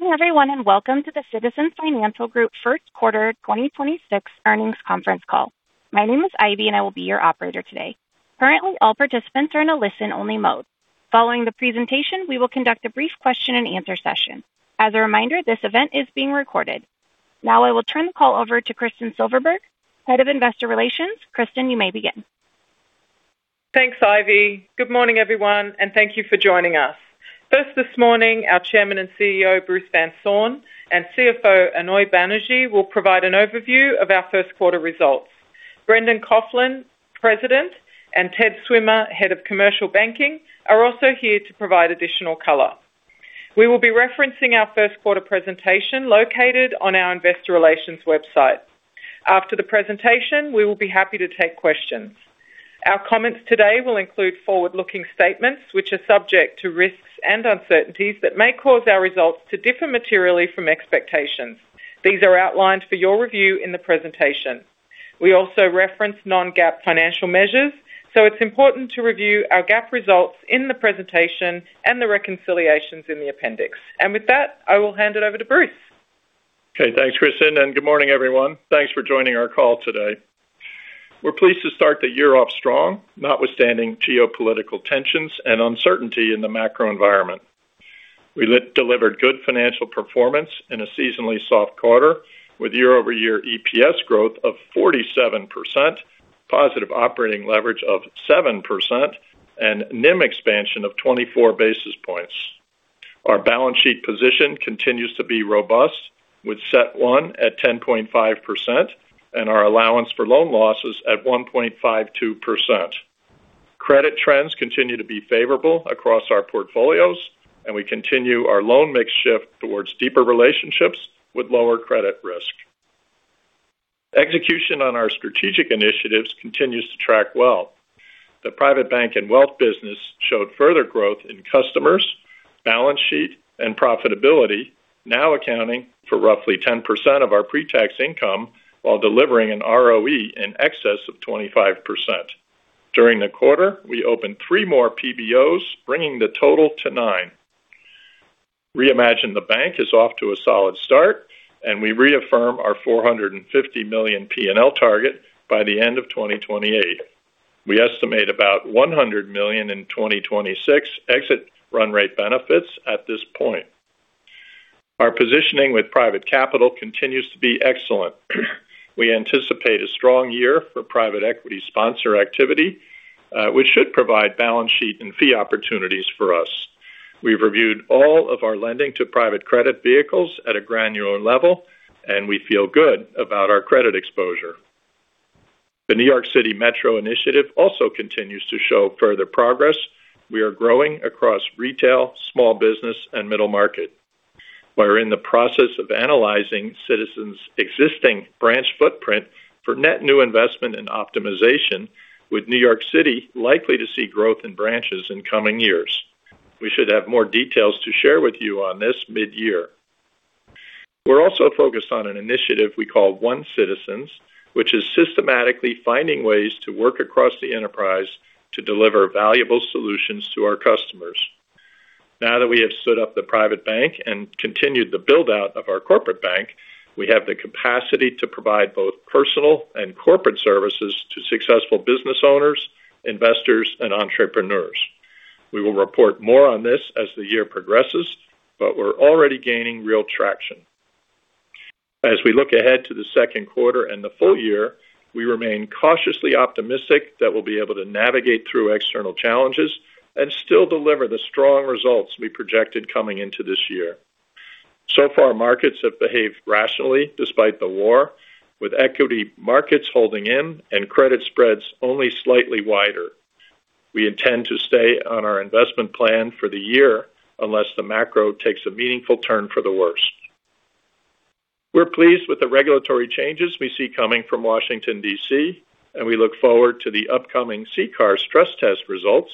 Good morning everyone, and welcome to the Citizens Financial Group first quarter 2026 earnings conference call. My name is Ivy, and I will be your operator today. Currently, all participants are in a listen-only mode. Following the presentation, we will conduct a brief question and answer session. As a reminder, this event is being recorded. Now I will turn the call over to Kristin Silberberg, Head of Investor Relations. Kristin, you may begin. Thanks, Ivy. Good morning, everyone, and thank you for joining us. First this morning, our Chairman and CEO, Bruce Van Saun, and CFO, Aunoy Banerjee, will provide an overview of our first quarter results. Brendan Coughlin, President, and Ted Swimmer, Head of Commercial Banking, are also here to provide additional color. We will be referencing our first quarter presentation located on our investor relations website. After the presentation, we will be happy to take questions. Our comments today will include forward-looking statements which are subject to risks and uncertainties that may cause our results to differ materially from expectations. These are outlined for your review in the presentation. We also reference non-GAAP financial measures, so it's important to review our GAAP results in the presentation and the reconciliations in the appendix. With that, I will hand it over to Bruce. Okay. Thanks, Kristin, and good morning, everyone. Thanks for joining our call today. We're pleased to start the year off strong, notwithstanding geopolitical tensions and uncertainty in the macro environment. We delivered good financial performance in a seasonally soft quarter with year-over-year EPS growth of 47%, positive operating leverage of 7% and NIM expansion of 24 basis points. Our balance sheet position continues to be robust, with CET1 at 10.5% and our allowance for loan losses at 1.52%. Credit trends continue to be favorable across our portfolios, and we continue our loan mix shift towards deeper relationships with lower credit risk. Execution on our strategic initiatives continues to track well. The private bank and wealth business showed further growth in customers, balance sheet, and profitability, now accounting for roughly 10% of our pre-tax income while delivering an ROE in excess of 25%. During the quarter, we opened three more PBOs, bringing the total to nine. Reimagine the Bank is off to a solid start, and we reaffirm our $450 million P&L target by the end of 2028. We estimate about $100 million in 2026 exit run rate benefits at this point. Our positioning with private capital continues to be excellent. We anticipate a strong year for private equity sponsor activity, which should provide balance sheet and fee opportunities for us. We've reviewed all of our lending to private credit vehicles at a granular level, and we feel good about our credit exposure. The New York City Metro initiative also continues to show further progress. We are growing across retail, small business and middle market. We're in the process of analyzing Citizens' existing branch footprint for net new investment and optimization, with New York City likely to see growth in branches in coming years. We should have more details to share with you on this mid-year. We're also focused on an initiative we call One Citizens, which is systematically finding ways to work across the enterprise to deliver valuable solutions to our customers. Now that we have stood up the private bank and continued the build-out of our corporate bank, we have the capacity to provide both personal and corporate services to successful business owners, investors, and entrepreneurs. We will report more on this as the year progresses, but we're already gaining real traction. As we look ahead to the second quarter and the full year, we remain cautiously optimistic that we'll be able to navigate through external challenges and still deliver the strong results we projected coming into this year. So far, markets have behaved rationally despite the war, with equity markets holding in and credit spreads only slightly wider. We intend to stay on our investment plan for the year unless the macro takes a meaningful turn for the worse. We're pleased with the regulatory changes we see coming from Washington, D.C., and we look forward to the upcoming CCAR stress test results,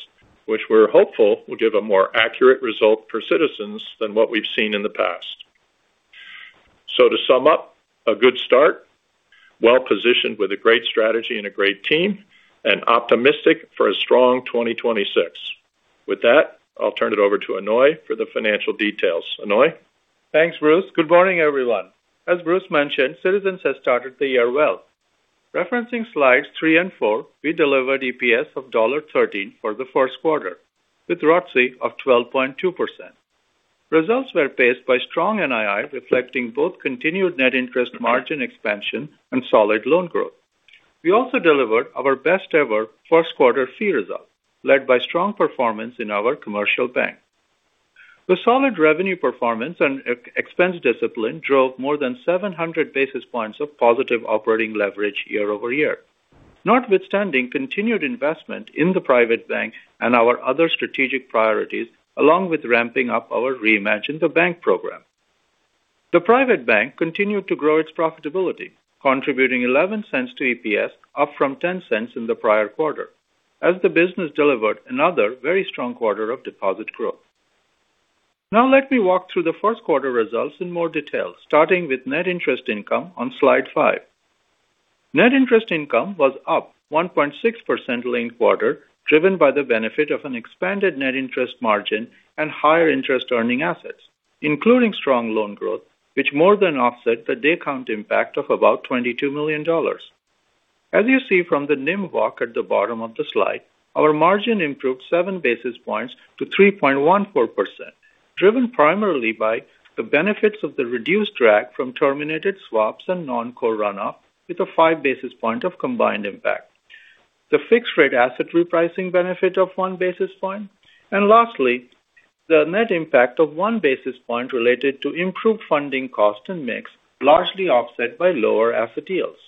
which we're hopeful will give a more accurate result for Citizens than what we've seen in the past. To sum up, a good start, well-positioned with a great strategy and a great team, and optimistic for a strong 2026. With that, I'll turn it over to Aunoy for the financial details. Aunoy. Thanks, Bruce. Good morning, everyone. As Bruce mentioned, Citizens has started the year well. Referencing slides three and four, we delivered EPS of $1.13 for the first quarter with ROTCE of 12.2%. Results were paced by strong NII, reflecting both continued net interest margin expansion and solid loan growth. We also delivered our best-ever first quarter fee result, led by strong performance in our commercial bank. The solid revenue performance and expense discipline drove more than 700 basis points of positive operating leverage year-over-year, notwithstanding continued investment in the private bank and our other strategic priorities, along with ramping up our Reimagine the Bank program. The private bank continued to grow its profitability, contributing $0.11 to EPS, up from $0.10 in the prior quarter, as the business delivered another very strong quarter of deposit growth. Now let me walk through the first quarter results in more detail, starting with net interest income on slide five. Net interest income was up 1.6% linked quarter, driven by the benefit of an expanded net interest margin and higher interest earning assets, including strong loan growth, which more than offset the day count impact of about $22 million. As you see from the NIM walk at the bottom of the slide, our margin improved seven basis points to 3.14%, driven primarily by the benefits of the reduced drag from terminated swaps and non-core runoff with a five basis point of combined impact, the fixed-rate asset repricing benefit of one basis point, and lastly, the net impact of one basis point related to improved funding cost and mix, largely offset by lower asset yields.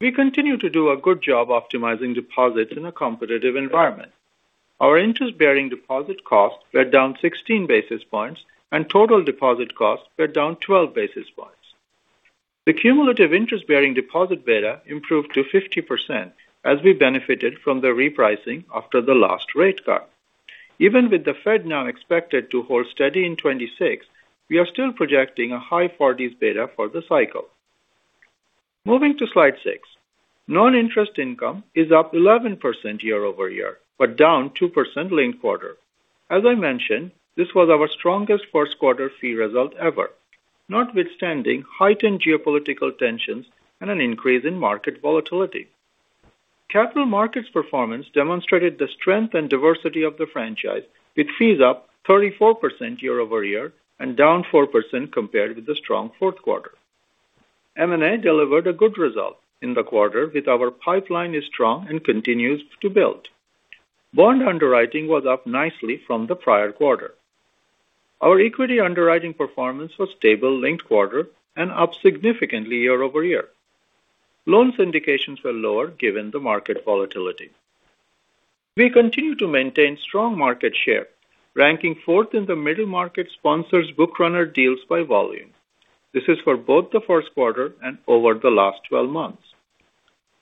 We continue to do a good job optimizing deposits in a competitive environment. Our interest-bearing deposit costs were down 16 basis points, and total deposit costs were down 12 basis points. The cumulative interest-bearing deposit beta improved to 50% as we benefited from the repricing after the last rate cut. Even with the Fed now expected to hold steady in 2026, we are still projecting a high 40 beta for the cycle. Moving to slide six. Non-interest income is up 11% year-over-year, but down 2% linked-quarter. As I mentioned, this was our strongest first quarter fee result ever, notwithstanding heightened geopolitical tensions and an increase in market volatility. Capital markets performance demonstrated the strength and diversity of the franchise, with fees up 34% year-over-year and down 4% compared with the strong fourth quarter. M&A delivered a good result in the quarter with our pipeline is strong and continues to build. Bond underwriting was up nicely from the prior quarter. Our equity underwriting performance was stable linked quarter and up significantly year-over-year. Loan syndications were lower given the market volatility. We continue to maintain strong market share, ranking fourth in the middle market sponsors book runner deals by volume. This is for both the first quarter and over the last 12 months.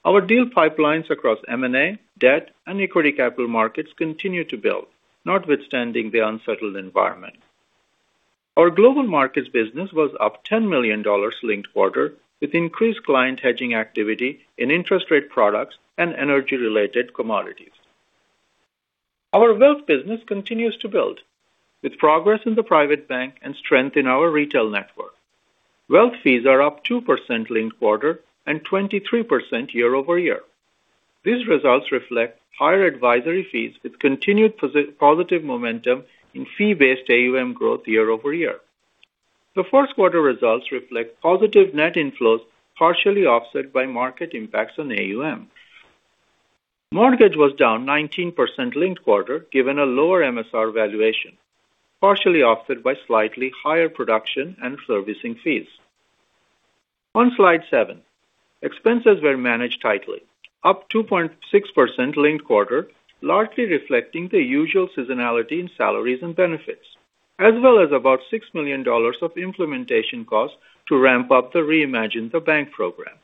Our deal pipelines across M&A, debt, and equity capital markets continue to build, notwithstanding the unsettled environment. Our global markets business was up $10 million linked quarter with increased client hedging activity in interest rate products and energy-related commodities. Our wealth business continues to build with progress in the private bank and strength in our retail network. Wealth fees are up 2% linked quarter and 23% year-over-year. These results reflect higher advisory fees with continued positive momentum in fee-based AUM growth year-over-year. The first quarter results reflect positive net inflows, partially offset by market impacts on AUM. Mortgage was down 19% linked quarter, given a lower MSR valuation, partially offset by slightly higher production and servicing fees. On slide seven, expenses were managed tightly, up 2.6% linked quarter, largely reflecting the usual seasonality in salaries and benefits, as well as about $6 million of implementation costs to ramp up the Reimagine the Bank program.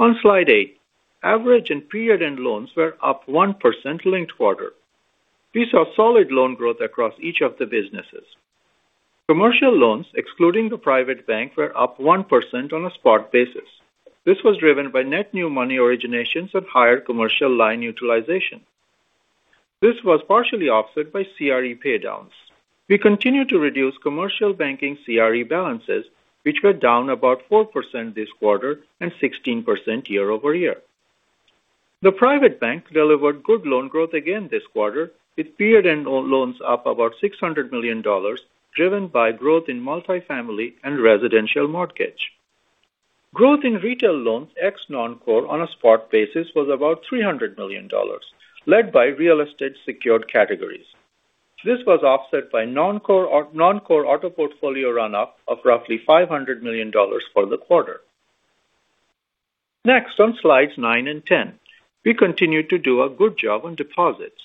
On slide eight, average and period-end loans were up 1% linked quarter. We saw solid loan growth across each of the businesses. Commercial loans, excluding the private bank, were up 1% on a spot basis. This was driven by net new money originations of higher commercial line utilization. This was partially offset by CRE paydowns. We continue to reduce commercial banking CRE balances, which were down about 4% this quarter and 16% year-over-year. The private bank delivered good loan growth again this quarter, with period-end loans up about $600 million, driven by growth in multi-family and residential mortgage. Growth in retail loans ex non-core on a spot basis was about $300 million, led by real estate secured categories. This was offset by non-core auto portfolio runoff of roughly $500 million for the quarter. Next, on slides nine and 10, we continued to do a good job on deposits,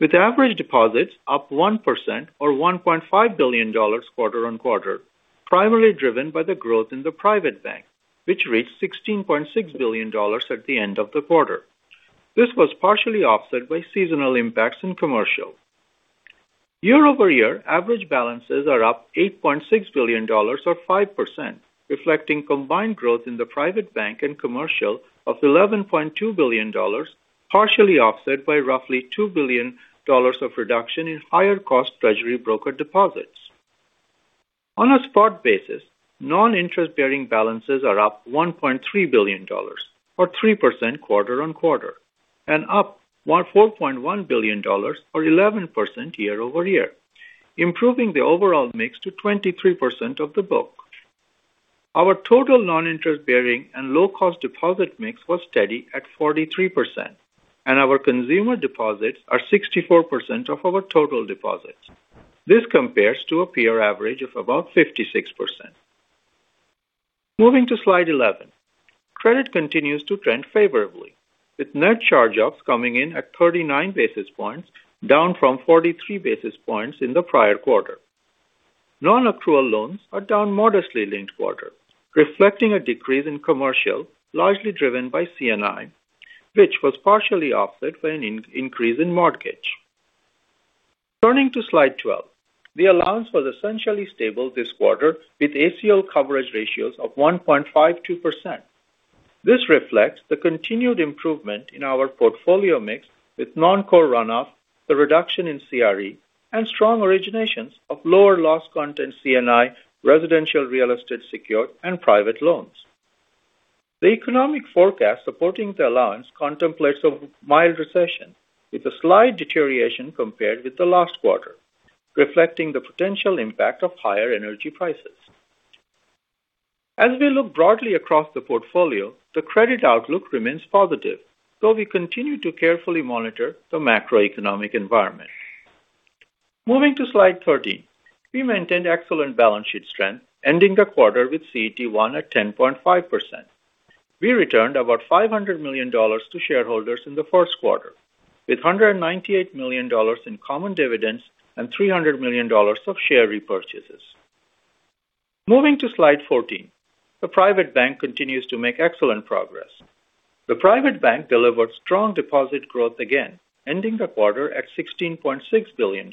with average deposits up 1% or $1.5 billion quarter-over-quarter, primarily driven by the growth in the private bank, which reached $16.6 billion at the end of the quarter. This was partially offset by seasonal impacts in commercial. Year-over-year, average balances are up $8.6 billion or 5%, reflecting combined growth in the private bank and commercial of $11.2 billion, partially offset by roughly $2 billion of reduction in higher cost treasury broker deposits. On a spot basis, non-interest-bearing balances are up $1.3 billion or 3% quarter-over-quarter, and up $4.1 billion or 11% year-over-year, improving the overall mix to 23% of the book. Our total non-interest-bearing and low-cost deposit mix was steady at 43%, and our consumer deposits are 64% of our total deposits. This compares to a peer average of about 56%. Moving to slide 11. Credit continues to trend favorably, with net charge-offs coming in at 39 basis points, down from 43 basis points in the prior quarter. Non-accrual loans are down modestly linked-quarter, reflecting a decrease in commercial, largely driven by C&I, which was partially offset by an increase in mortgage. Turning to slide 12. The allowance was essentially stable this quarter, with ACL coverage ratios of 1.52%. This reflects the continued improvement in our portfolio mix with non-core runoff, the reduction in CRE, and strong originations of lower loss content C&I, residential real estate secured, and private loans. The economic forecast supporting the allowance contemplates a mild recession with a slight deterioration compared with the last quarter, reflecting the potential impact of higher energy prices. As we look broadly across the portfolio, the credit outlook remains positive, though we continue to carefully monitor the macroeconomic environment. Moving to slide 13. We maintained excellent balance sheet strength, ending the quarter with CET1 at 10.5%. We returned about $500 million to shareholders in the first quarter, with $198 million in common dividends and $300 million of share repurchases. Moving to slide 14. The private bank continues to make excellent progress. The private bank delivered strong deposit growth, again, ending the quarter at $16.6 billion.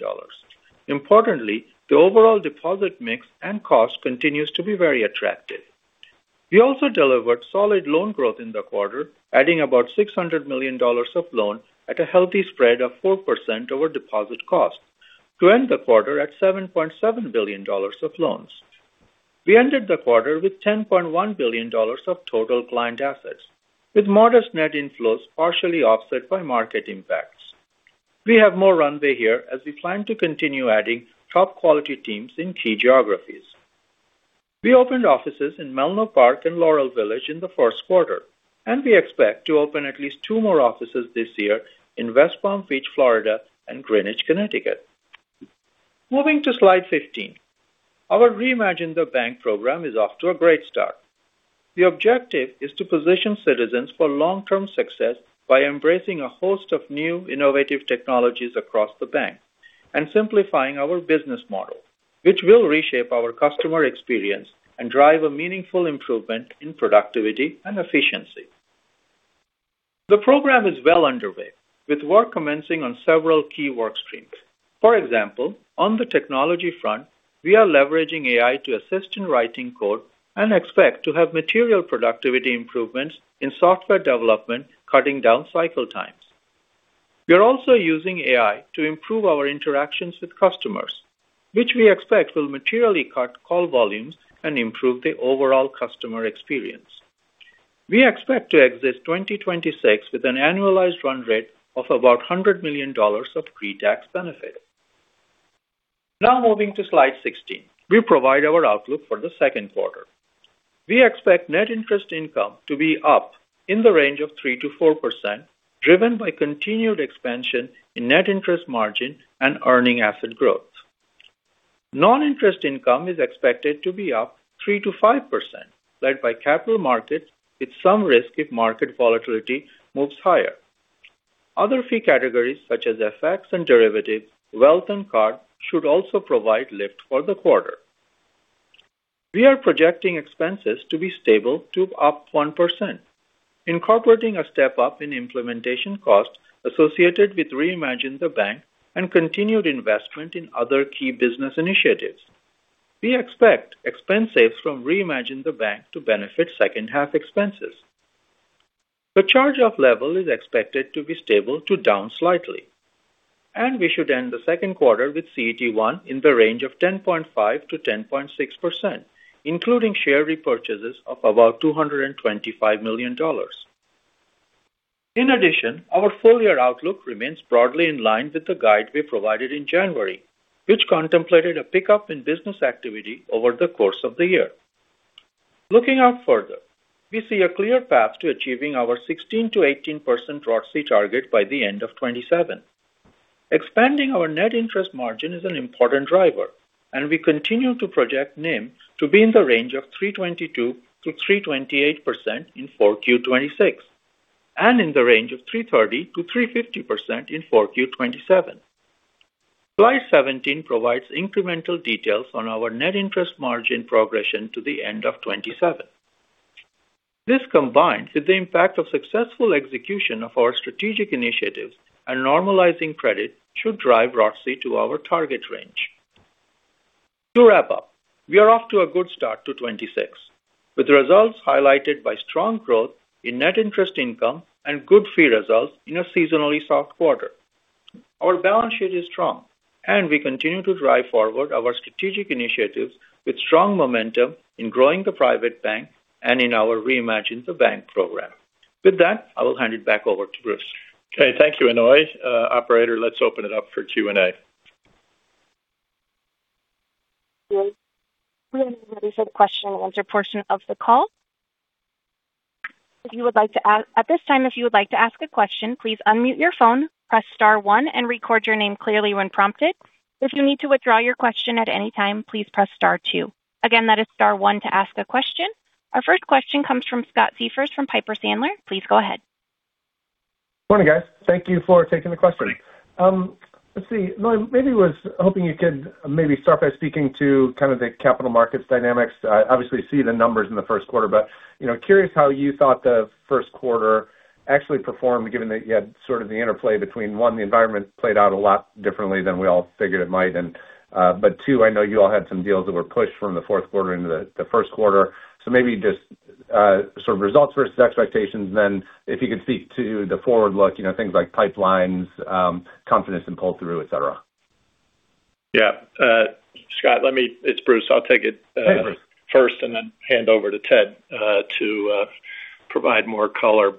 Importantly, the overall deposit mix and cost continues to be very attractive. We also delivered solid loan growth in the quarter, adding about $600 million of loans at a healthy spread of 4% over deposit cost to end the quarter at $7.7 billion of loans. We ended the quarter with $10.1 billion of total client assets, with modest net inflows partially offset by market impacts. We have more runway here as we plan to continue adding top-quality teams in key geographies. We opened offices in Menlo Park and Laurel Village in the first quarter, and we expect to open at least two more offices this year in West Palm Beach, Florida and Greenwich, Connecticut. Moving to slide 15. Our Reimagine the Bank program is off to a great start. The objective is to position Citizens for long-term success by embracing a host of new innovative technologies across the bank and simplifying our business model, which will reshape our customer experience and drive a meaningful improvement in productivity and efficiency. The program is well underway, with work commencing on several key work streams. For example, on the technology front, we are leveraging AI to assist in writing code and expect to have material productivity improvements in software development, cutting down cycle times. We are also using AI to improve our interactions with customers, which we expect will materially cut call volumes and improve the overall customer experience. We expect to exit 2026 with an annualized run rate of about $100 million of pre-tax benefit. Now moving to slide 16. We provide our outlook for the second quarter. We expect net interest income to be up in the range of 3%-4%, driven by continued expansion in net interest margin and earning asset growth. Non-interest income is expected to be up 3%-5%, led by capital markets, with some risk if market volatility moves higher. Other fee categories such as FX and derivatives, wealth, and card should also provide lift for the quarter. We are projecting expenses to be stable to up 1%, incorporating a step-up in implementation costs associated with Reimagine the Bank and continued investment in other key business initiatives. We expect expenses from Reimagine the Bank to benefit second-half expenses. The charge-off level is expected to be stable to down slightly, and we should end the second quarter with CET1 in the range of 10.5%-10.6%, including share repurchases of about $225 million. In addition, our full-year outlook remains broadly in line with the guide we provided in January, which contemplated a pickup in business activity over the course of the year. Looking out further, we see a clear path to achieving our 16%-18% ROCE target by the end of 2027. Expanding our net interest margin is an important driver, and we continue to project NIM to be in the range of 3.22%-3.28% in 4Q 2026 and in the range of 3.30%-3.50% in 4Q 2027. Slide 17 provides incremental details on our net interest margin progression to the end of 2027. This, combined with the impact of successful execution of our strategic initiatives and normalizing credit, should drive ROCE to our target range. To wrap up, we are off to a good start to 2026, with results highlighted by strong growth in net interest income and good fee results in a seasonally soft quarter. Our balance sheet is strong, and we continue to drive forward our strategic initiatives with strong momentum in growing the private bank and in our Reimagine the Bank program. With that, I will hand it back over to Bruce. Okay. Thank you, Aunoy. Operator, let's open it up for Q&A. We'll now proceed to the question and answer portion of the call. At this time, if you would like to ask a question, please unmute your phone, press star one and record your name clearly when prompted. If you need to withdraw your question at any time, please press star two. Again, that is star one to ask a question. Our first question comes from Scott Siefers from Piper Sandler. Please go ahead. Morning, guys. Thank you for taking the question. Let's see. I was hoping you could maybe start by speaking to kind of the capital markets dynamics. Obviously see the numbers in the first quarter, but curious how you thought the first quarter actually performed, given that you had sort of the interplay between one, the environment played out a lot differently than we all figured it might. Two, I know you all had some deals that were pushed from the fourth quarter into the first quarter, so maybe just sort of results versus expectations, and then if you could speak to the forward look, things like pipelines, confidence in pull-through, etc. Yeah. Scott, it's Bruce. I'll take it. Hey, Bruce. First and then hand over to Ted to provide more color.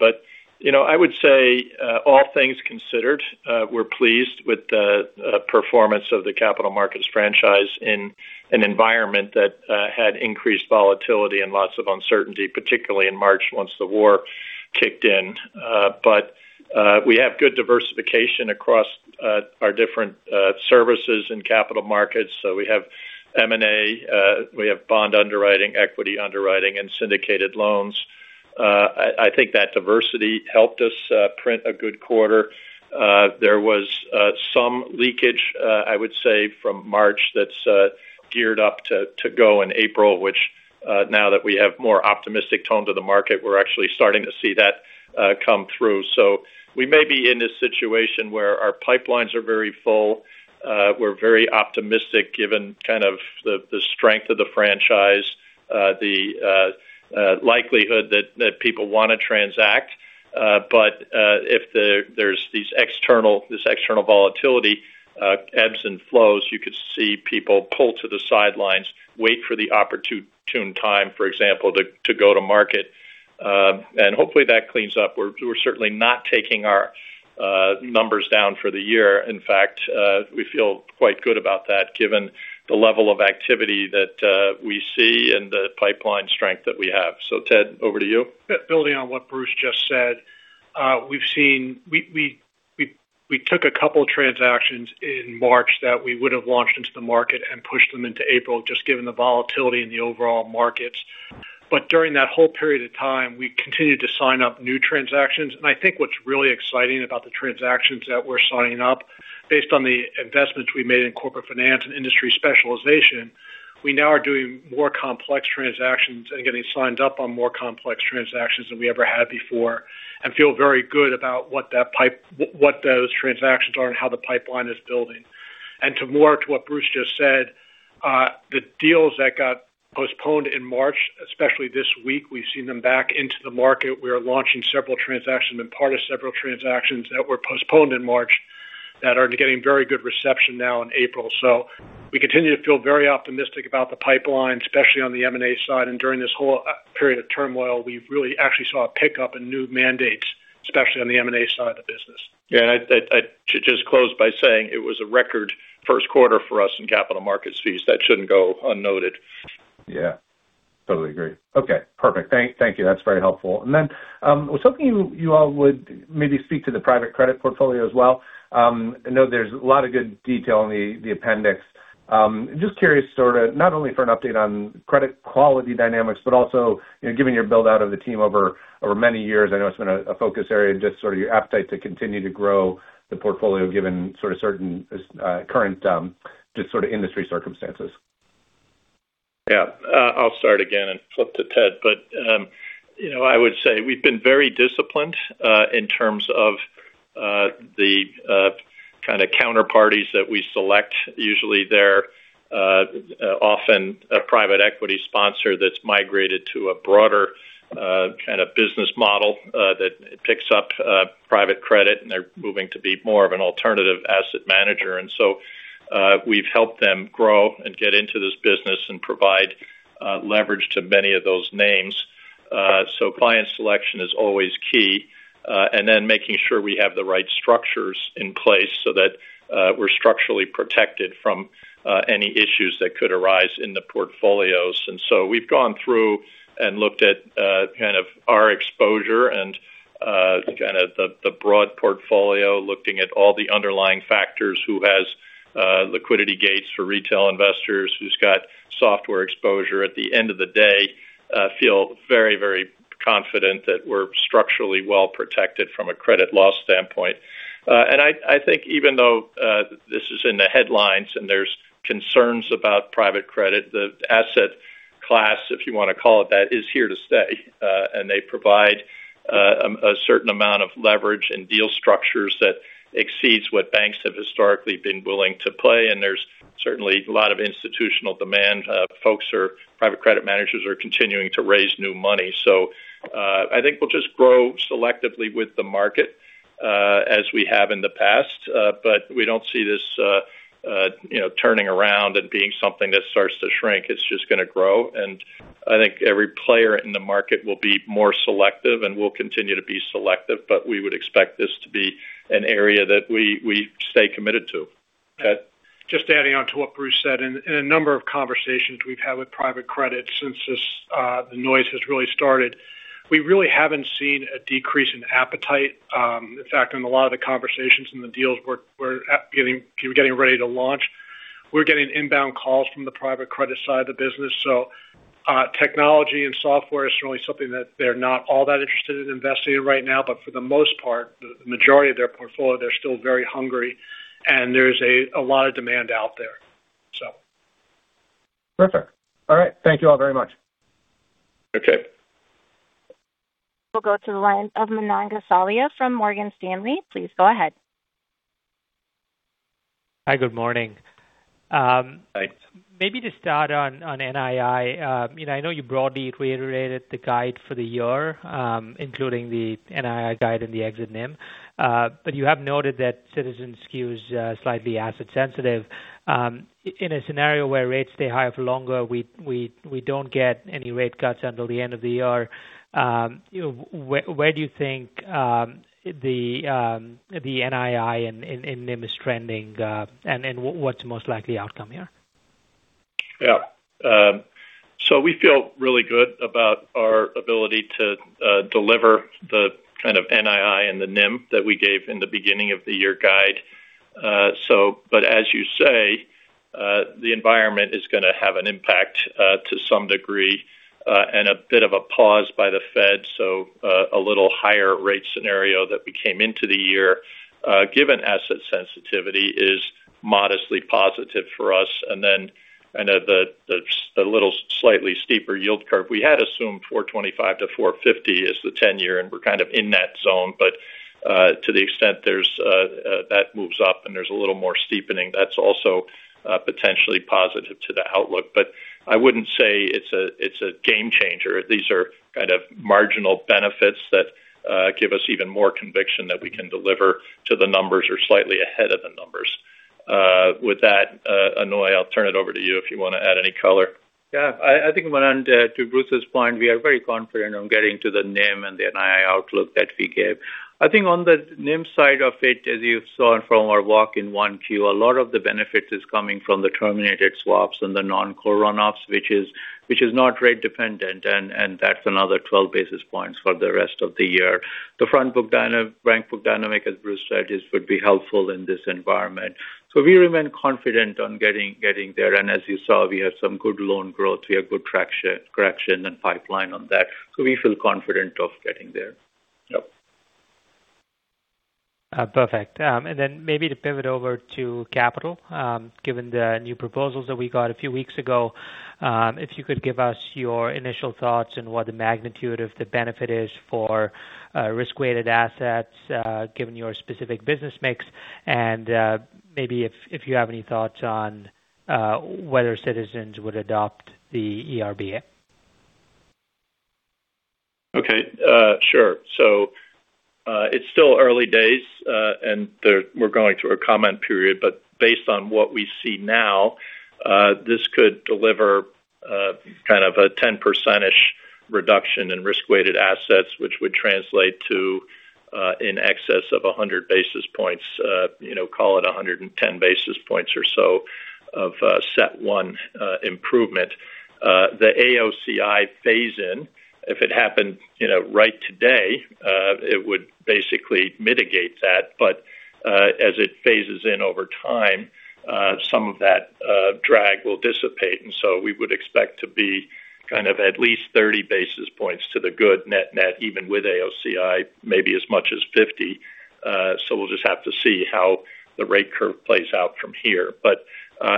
I would say all things considered, we're pleased with the performance of the capital markets franchise in an environment that had increased volatility and lots of uncertainty, particularly in March once the war kicked in. We have good diversification across our different services in capital markets. We have M&A, we have bond underwriting, equity underwriting, and syndicated loans. I think that diversity helped us print a good quarter. There was some leakage, I would say from March that's geared up to go in April, which now that we have more optimistic tone to the market, we're actually starting to see that come through. We may be in this situation where our pipelines are very full. We're very optimistic given kind of the strength of the franchise, the likelihood that people want to transact. If there's this external volatility ebbs and flows, you could see people pull to the sidelines, wait for the opportune time, for example, to go to market. Hopefully that cleans up. We're certainly not taking our numbers down for the year. In fact, we feel quite good about that given the level of activity that we see and the pipeline strength that we have. Ted, over to you. Building on what Bruce just said, we took a couple transactions in March that we would've launched into the market and pushed them into April, just given the volatility in the overall markets. During that whole period of time, we continued to sign up new transactions. I think what's really exciting about the transactions that we're signing up, based on the investments we made in corporate finance and industry specialization, we now are doing more complex transactions and getting signed up on more complex transactions than we ever had before, and feel very good about what those transactions are and how the pipeline is building. Add to what Bruce just said, the deals that got postponed in March, especially this week, we've seen them back into the market. We are launching several transactions and part of several transactions that were postponed in March that are getting very good reception now in April. We continue to feel very optimistic about the pipeline, especially on the M&A side. During this whole period of turmoil, we really actually saw a pickup in new mandates, especially on the M&A side of the business. Yeah. I should just close by saying it was a record first quarter for us in capital markets fees. That shouldn't go unnoted. Yeah, totally agree. Okay, perfect. Thank you. That's very helpful. I was hoping you all would maybe speak to the private credit portfolio as well. I know there's a lot of good detail in the appendix. Just curious sort of not only for an update on credit quality dynamics, but also given your build out of the team over many years. I know it's been a focus area, just sort of your appetite to continue to grow the portfolio given sort of certain current industry circumstances. Yeah. I'll start again and flip to Ted. I would say we've been very disciplined in terms of the kind of counterparties that we select. Usually they're often a private equity sponsor that's migrated to a broader kind of business model that picks up private credit, and they're moving to be more of an alternative asset manager. We've helped them grow and get into this business and provide leverage to many of those names. Client selection is always key. Making sure we have the right structures in place so that we're structurally protected from any issues that could arise in the portfolios. We've gone through and looked at kind of our exposure and kind of the broad portfolio, looking at all the underlying factors, who has liquidity gates for retail investors, who's got software exposure. At the end of the day, I feel very confident that we're structurally well protected from a credit loss standpoint. I think even though this is in the headlines and there's concerns about private credit, the asset class, if you want to call it that, is here to stay. They provide a certain amount of leverage and deal structures that exceeds what banks have historically been willing to play. There's certainly a lot of institutional demand. Folks or private credit managers are continuing to raise new money. I think we'll just grow selectively with the market as we have in the past. We don't see this turning around and being something that starts to shrink. It's just going to grow. I think every player in the market will be more selective, and we'll continue to be selective, but we would expect this to be an area that we stay committed to. Ted. Just adding on to what Bruce said. In a number of conversations we've had with private credit since the noise has really started, we really haven't seen a decrease in appetite. In fact, in a lot of the conversations and the deals we're getting ready to launch. We're getting inbound calls from the private credit side of the business. Technology and software is certainly something that they're not all that interested in investing in right now, but for the most part, the majority of their portfolio, they're still very hungry and there's a lot of demand out there. Perfect. All right, thank you all very much. Okay. We'll go to the line of Manan Gosalia from Morgan Stanley. Please go ahead. Hi, good morning. Hi. Maybe to start on NII. I know you broadly reiterated the guide for the year including the NII guide and the exit NIM. You have noted that Citizens' skew is slightly asset sensitive. In a scenario where rates stay high for longer, we don't get any rate cuts until the end of the year. Where do you think the NII and NIM is trending, and what's the most likely outcome here? Yeah. We feel really good about our ability to deliver the kind of NII and the NIM that we gave in the beginning of the year guide. As you say, the environment is going to have an impact to some degree, and a bit of a pause by the Fed. A little higher rate scenario that we came into the year, given asset sensitivity, is modestly positive for us. The little slightly steeper yield curve. We had assumed 425-450 is the 10-year, and we're kind of in that zone. To the extent that moves up and there's a little more steepening, that's also potentially positive to the outlook. I wouldn't say it's a game changer. These are kind of marginal benefits that give us even more conviction that we can deliver to the numbers or slightly ahead of the numbers. With that, Aunoy, I'll turn it over to you if you want to add any color. Yeah, I think, Manan, to Bruce's point, we are very confident on getting to the NIM and the NII outlook that we gave. I think on the NIM side of it, as you saw from our walk in 1Q, a lot of the benefit is coming from the terminated swaps and the non-core runoffs, which is not rate dependent, and that's another 12 basis points for the rest of the year. The front book dynamic, as Bruce said, would be helpful in this environment. We remain confident on getting there. As you saw, we have some good loan growth. We have good traction and pipeline on that. We feel confident of getting there. Yep. Perfect. Then maybe to pivot over to capital, given the new proposals that we got a few weeks ago. If you could give us your initial thoughts on what the magnitude of the benefit is for risk-weighted assets given your specific business mix, and maybe if you have any thoughts on whether Citizens would adopt the ERBA? Okay. Sure. It's still early days, and we're going through a comment period, but based on what we see now, this could deliver kind of a 10% reduction in risk-weighted assets, which would translate to in excess of 100 basis points. Call it 110 basis points or so of CET1 improvement. The AOCI phase-in, if it happened right today, it would basically mitigate that. As it phases in over time, some of that drag will dissipate, and so we would expect to be kind of at least 30 basis points to the good net net, even with AOCI, maybe as much as 50. We'll just have to see how the rate curve plays out from here.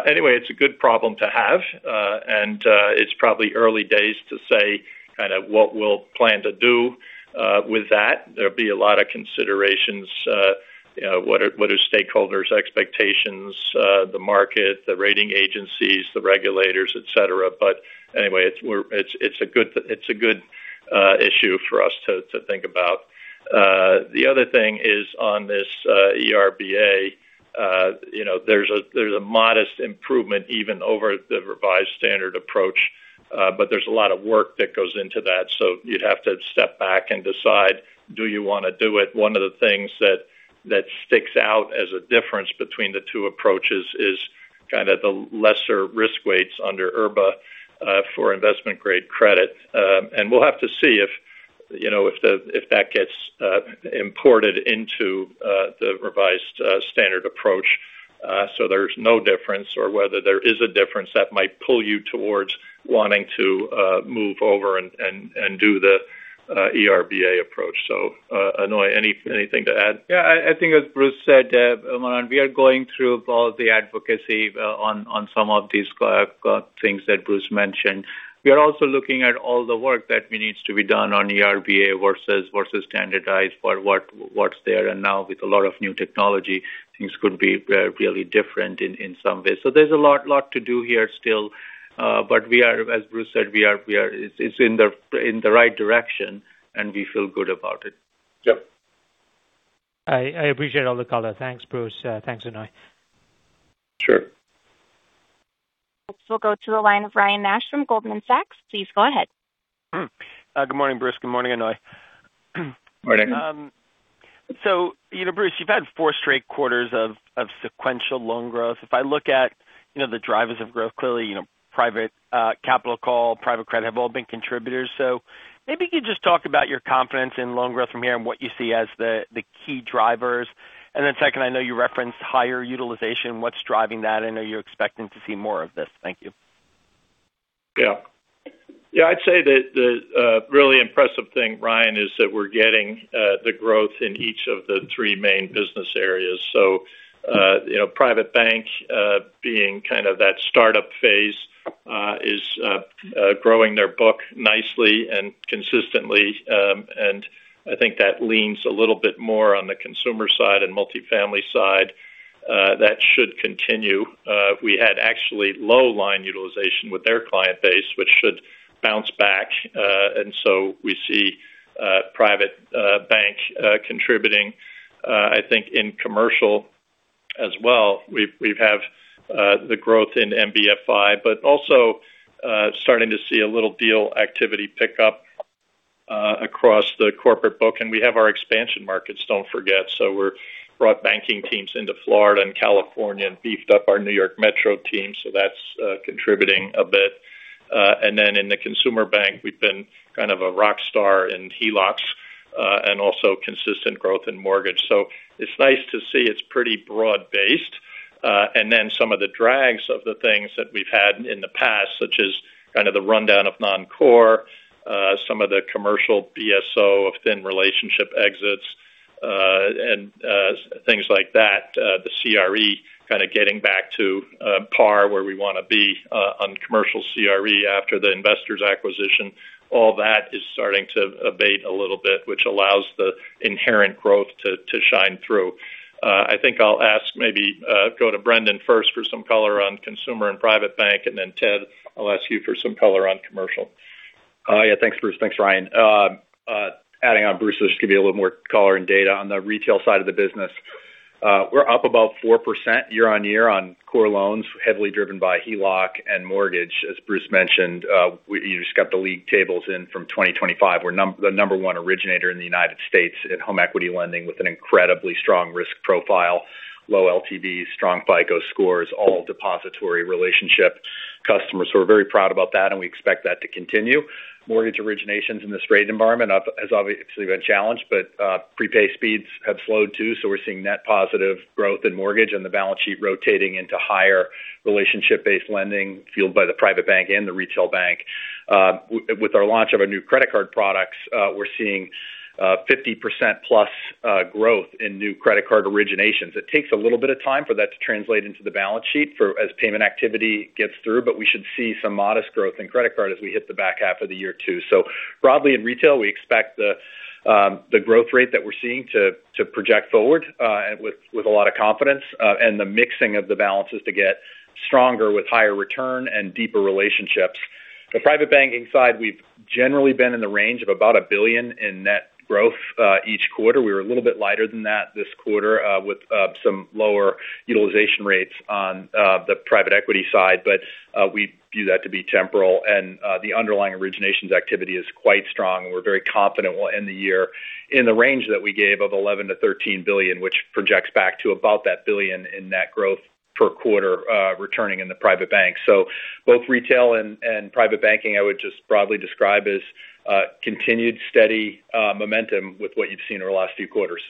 Anyway, it's a good problem to have. It's probably early days to say kind of what we'll plan to do with that. There'll be a lot of considerations. What are stakeholders' expectations? The market, the rating agencies, the regulators, etc. Anyway, it's a good issue for us to think about. The other thing is on this ERBA. There's a modest improvement even over the revised standard approach. There's a lot of work that goes into that. You'd have to step back and decide, do you want to do it? One of the things that sticks out as a difference between the two approaches is kind of the lesser risk weights under ERBA for investment grade credit. We'll have to see if that gets imported into the revised standard approach so there's no difference, or whether there is a difference that might pull you towards wanting to move over and do the ERBA approach. Aunoy, anything to add? Yeah. I think as Bruce said, Manan, we are going through all the advocacy on some of these things that Bruce mentioned. We are also looking at all the work that needs to be done on ERBA versus standardized for what's there. Now with a lot of new technology, things could be really different in some ways. There's a lot to do here still. As Bruce said, it's in the right direction, and we feel good about it. Yep. I appreciate all the color. Thanks, Bruce. Thanks, Aunoy. Sure. Next we'll go to the line of Ryan Nash from Goldman Sachs. Please go ahead. Good morning, Bruce. Good morning, Aunoy. Morning. Bruce, you've had four straight quarters of sequential loan growth. If I look at the drivers of growth, clearly, private capital call, private credit have all been contributors. Maybe you could just talk about your confidence in loan growth from here and what you see as the key drivers. Then second, I know you referenced higher utilization. What's driving that? Are you expecting to see more of this? Thank you. Yeah. I'd say that the really impressive thing, Ryan, is that we're getting the growth in each of the three main business areas. Private bank, being kind of that startup phase, is growing their book nicely and consistently. I think that leans a little bit more on the consumer side and multifamily side. That should continue. We had actually low line utilization with their client base, which should bounce back. We see private bank contributing. I think in commercial as well. We have the growth in NBFI, but also starting to see a little deal activity pick up across the corporate book. We have our expansion markets, don't forget. We brought banking teams into Florida and California and beefed up our New York Metro team. That's contributing a bit. In the consumer bank, we've been kind of a rock star in HELOCs and also consistent growth in mortgage. It's nice to see it's pretty broad-based. Some of the drags of the things that we've had in the past, such as kind of the rundown of non-core, some of the commercial BSO, thin relationship exits, and things like that, the CRE kind of getting back to par where we want to be on commercial CRE after the investors acquisition. All that is starting to abate a little bit, which allows the inherent growth to shine through. I think I'll maybe go to Brendan first for some color on consumer and private bank, and then Ted, I'll ask you for some color on commercial. Yeah. Thanks, Bruce. Thanks, Ryan. Adding on Bruce, just give you a little more color and data on the retail side of the business. We're up about 4% year-on-year on core loans, heavily driven by HELOC and mortgage. As Bruce mentioned, you just got the league tables in from 2025. We're the number one originator in the United States at home equity lending with an incredibly strong risk profile, low LTVs, strong FICO scores, all depository relationship customers who are very proud about that, and we expect that to continue. Mortgage originations in this rate environment has obviously been challenged, but prepay speeds have slowed too. We're seeing net positive growth in mortgage and the balance sheet rotating into higher relationship-based lending fueled by the private bank and the retail bank. With our launch of our new credit card products, we're seeing 50%+ growth in new credit card originations. It takes a little bit of time for that to translate into the balance sheet as payment activity gets through, but we should see some modest growth in credit card as we hit the back half of the year too. Broadly in retail, we expect the growth rate that we're seeing to project forward with a lot of confidence and the mixing of the balances to get stronger with higher return and deeper relationships. The private banking side, we've generally been in the range of about $1 billion in net growth each quarter. We were a little bit lighter than that this quarter with some lower utilization rates on the private equity side, but we view that to be temporal. The underlying originations activity is quite strong, and we're very confident we'll end the year in the range that we gave of $11 billion-$13 billion, which projects back to about $1 billion in net growth per quarter, returning in the private bank. Both retail and private banking, I would just broadly describe as continued steady momentum with what you've seen over the last few quarters.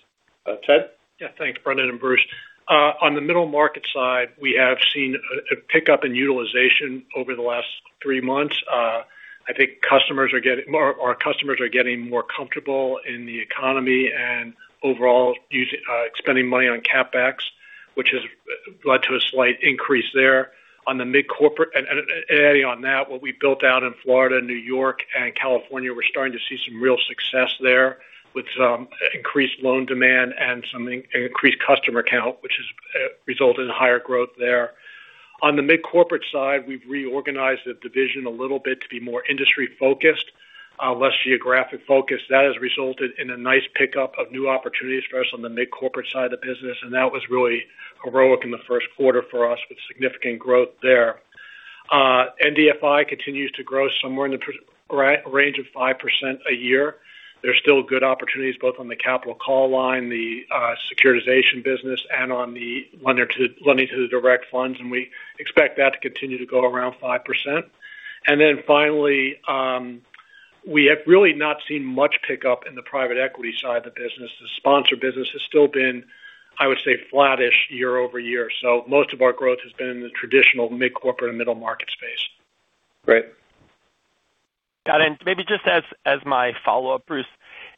Ted? Yeah. Thanks, Brendan and Bruce. On the middle market side, we have seen a pickup in utilization over the last three months. I think our customers are getting more comfortable in the economy and overall spending money on CapEx, which has led to a slight increase there. On the mid-corporate and adding on that, what we built out in Florida, New York and California, we're starting to see some real success there with some increased loan demand and some increased customer count, which has resulted in higher growth there. On the mid-corporate side, we've reorganized the division a little bit to be more industry focused, less geographic focus. That has resulted in a nice pickup of new opportunities for us on the mid-corporate side of the business, and that was really heroic in the first quarter for us with significant growth there. MDFI continues to grow somewhere in the range of 5% a year. There's still good opportunities both on the capital call line, the securitization business, and on the lending to the direct funds, and we expect that to continue to go around 5%. We have really not seen much pickup in the private equity side of the business. The sponsor business has still been, I would say, flattish year-over-year. Most of our growth has been in the traditional mid-corporate and middle market space. Great. Got it. Maybe just as my follow-up, Bruce.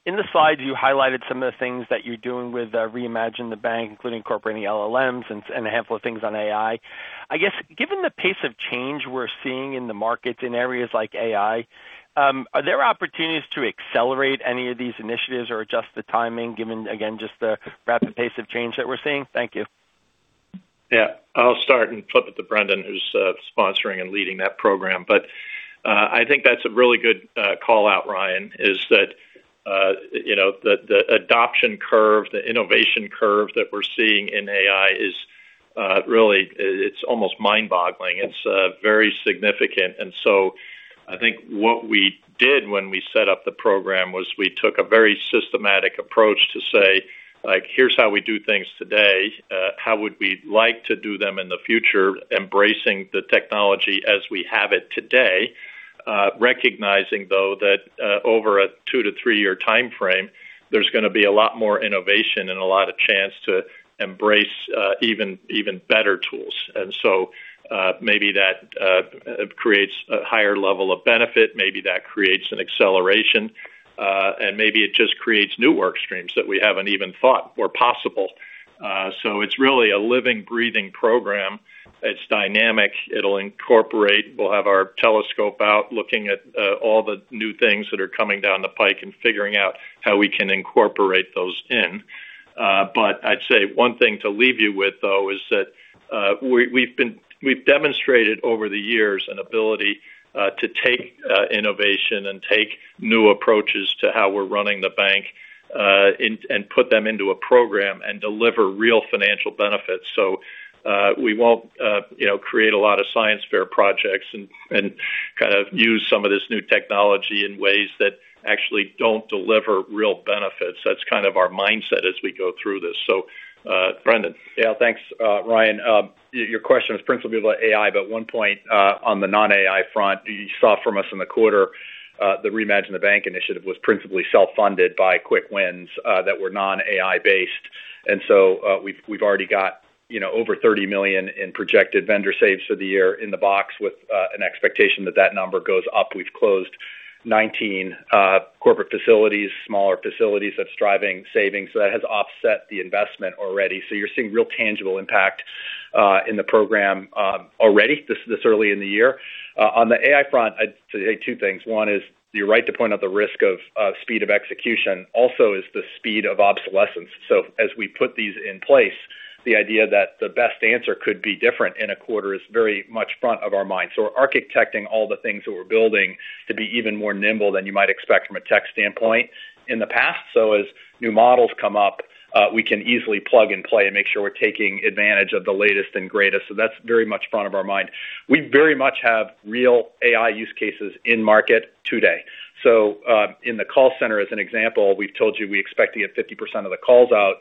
In the slides, you highlighted some of the things that you're doing with Reimagine the Bank, including incorporating LLMs and a handful of things on AI. I guess given the pace of change we're seeing in the market in areas like AI, are there opportunities to accelerate any of these initiatives or adjust the timing given, again, just the rapid pace of change that we're seeing? Thank you. Yeah. I'll start and flip it to Brendan, who's sponsoring and leading that program. I think that's a really good call out, Ryan, is that the adoption curve, the innovation curve that we're seeing in AI is really, it's almost mind-boggling. It's very significant. I think what we did when we set up the program was we took a very systematic approach to say, like, here's how we do things today. How would we like to do them in the future, embracing the technology as we have it today? Recognizing though that over a 2-3-year timeframe, there's going to be a lot more innovation and a lot of chance to embrace even better tools. Maybe that creates a higher level of benefit, maybe that creates an acceleration, and maybe it just creates new work streams that we haven't even thought were possible. It's really a living, breathing program. It's dynamic, it'll incorporate. We'll have our telescope out looking at all the new things that are coming down the pike and figuring out how we can incorporate those in. I'd say one thing to leave you with, though, is that we've demonstrated over the years an ability to take innovation and take new approaches to how we're running the bank and put them into a program and deliver real financial benefits. We won't create a lot of science fair projects and kind of use some of this new technology in ways that actually don't deliver real benefits. That's kind of our mindset as we go through this. Brendan. Yeah. Thanks, Ryan. Your question was principally about AI, but one point on the non-AI front, you saw from us in the quarter, the Reimagine the Bank initiative was principally self-funded by quick wins that were non-AI based. We've already got over $30 million in projected vendor saves for the year in the box with an expectation that that number goes up. We've closed 19 corporate facilities, smaller facilities. That's driving savings. That has offset the investment already. You're seeing real tangible impact in the program already this early in the year. On the AI front, I'd say two things. One is, you're right to point out the risk of speed of execution also is the speed of obsolescence. As we put these in place, the idea that the best answer could be different in a quarter is very much front of our mind. We're architecting all the things that we're building to be even more nimble than you might expect from a tech standpoint in the past. As new models come up, we can easily plug and play and make sure we're taking advantage of the latest and greatest. That's very much front of our mind. We very much have real AI use cases in market today. In the call center, as an example, we've told you we expect to get 50% of the calls out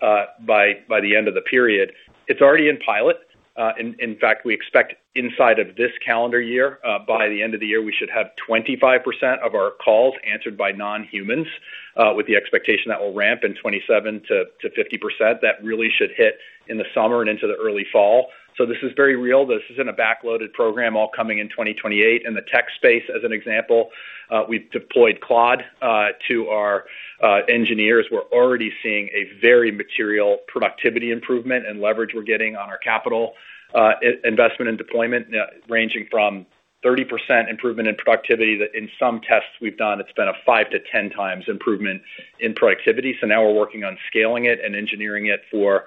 by the end of the period. It's already in pilot. In fact, we expect inside of this calendar year, by the end of the year, we should have 25% of our calls answered by non-humans with the expectation that will ramp in 2027 to 50%. That really should hit in the summer and into the early fall. This is very real. This isn't a back-loaded program all coming in 2028. In the tech space, as an example, we've deployed Claude to our engineers. We're already seeing a very material productivity improvement and leverage we're getting on our capital investment and deployment ranging from 30% improvement in productivity that in some tests we've done, it's been a 5-10 times improvement in productivity. Now we're working on scaling it and engineering it for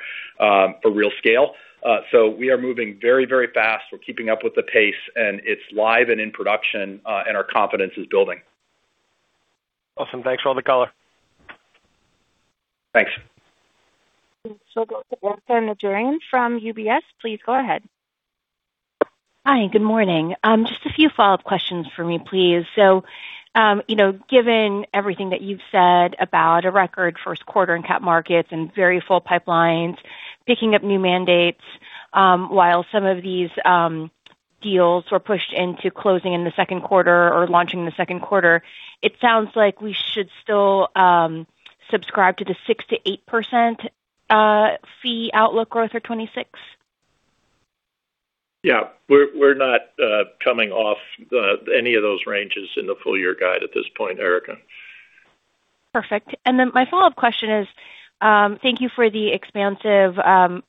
real scale. We are moving very fast. We're keeping up with the pace, and it's live and in production, and our confidence is building. Awesome. Thanks for all the color. Thanks. We'll go to Erika Najarian from UBS. Please go ahead. Hi. Good morning. Just a few follow-up questions for me, please. Given everything that you've said about a record first quarter in capital markets and very full pipelines, picking up new mandates while some of these deals were pushed into closing in the second quarter or launching in the second quarter, it sounds like we should still subscribe to the 6%-8% fee outlook growth for 2026? Yeah. We're not coming off any of those ranges in the full year guide at this point, Erika. Perfect. My follow-up question is, thank you for the expansive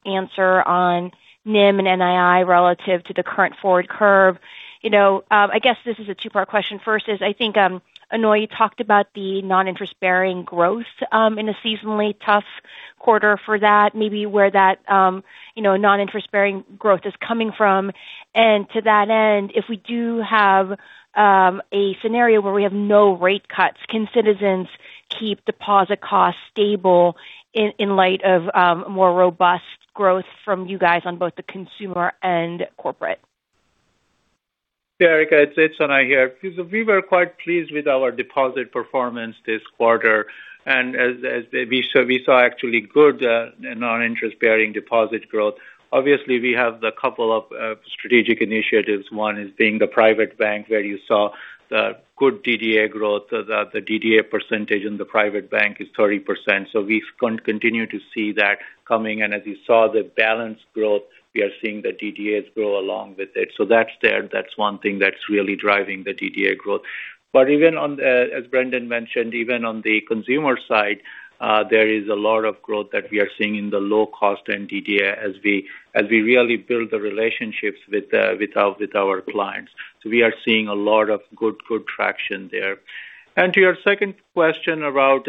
answer on NIM and NII relative to the current forward curve. I guess this is a two-part question. First is, I think, Aunoy talked about the non-interest-bearing growth in a seasonally tough quarter for that, maybe where that non-interest-bearing growth is coming from. To that end, if we do have a scenario where we have no rate cuts, can Citizens keep deposit costs stable in light of more robust growth from you guys on both the consumer and corporate? Yeah, Erika. It's Aunoy here. We were quite pleased with our deposit performance this quarter. As we saw actually good non-interest-bearing deposit growth. Obviously, we have the couple of strategic initiatives. One is being the private bank where you saw the good DDA growth. The DDA percentage in the private bank is 30%. We continue to see that coming. As you saw the balance growth, we are seeing the DDAs grow along with it. That's there. That's one thing that's really driving the DDA growth. As Brendan mentioned, even on the consumer side, there is a lot of growth that we are seeing in the low cost and DDA as we really build the relationships with our clients. We are seeing a lot of good traction there. To your second question about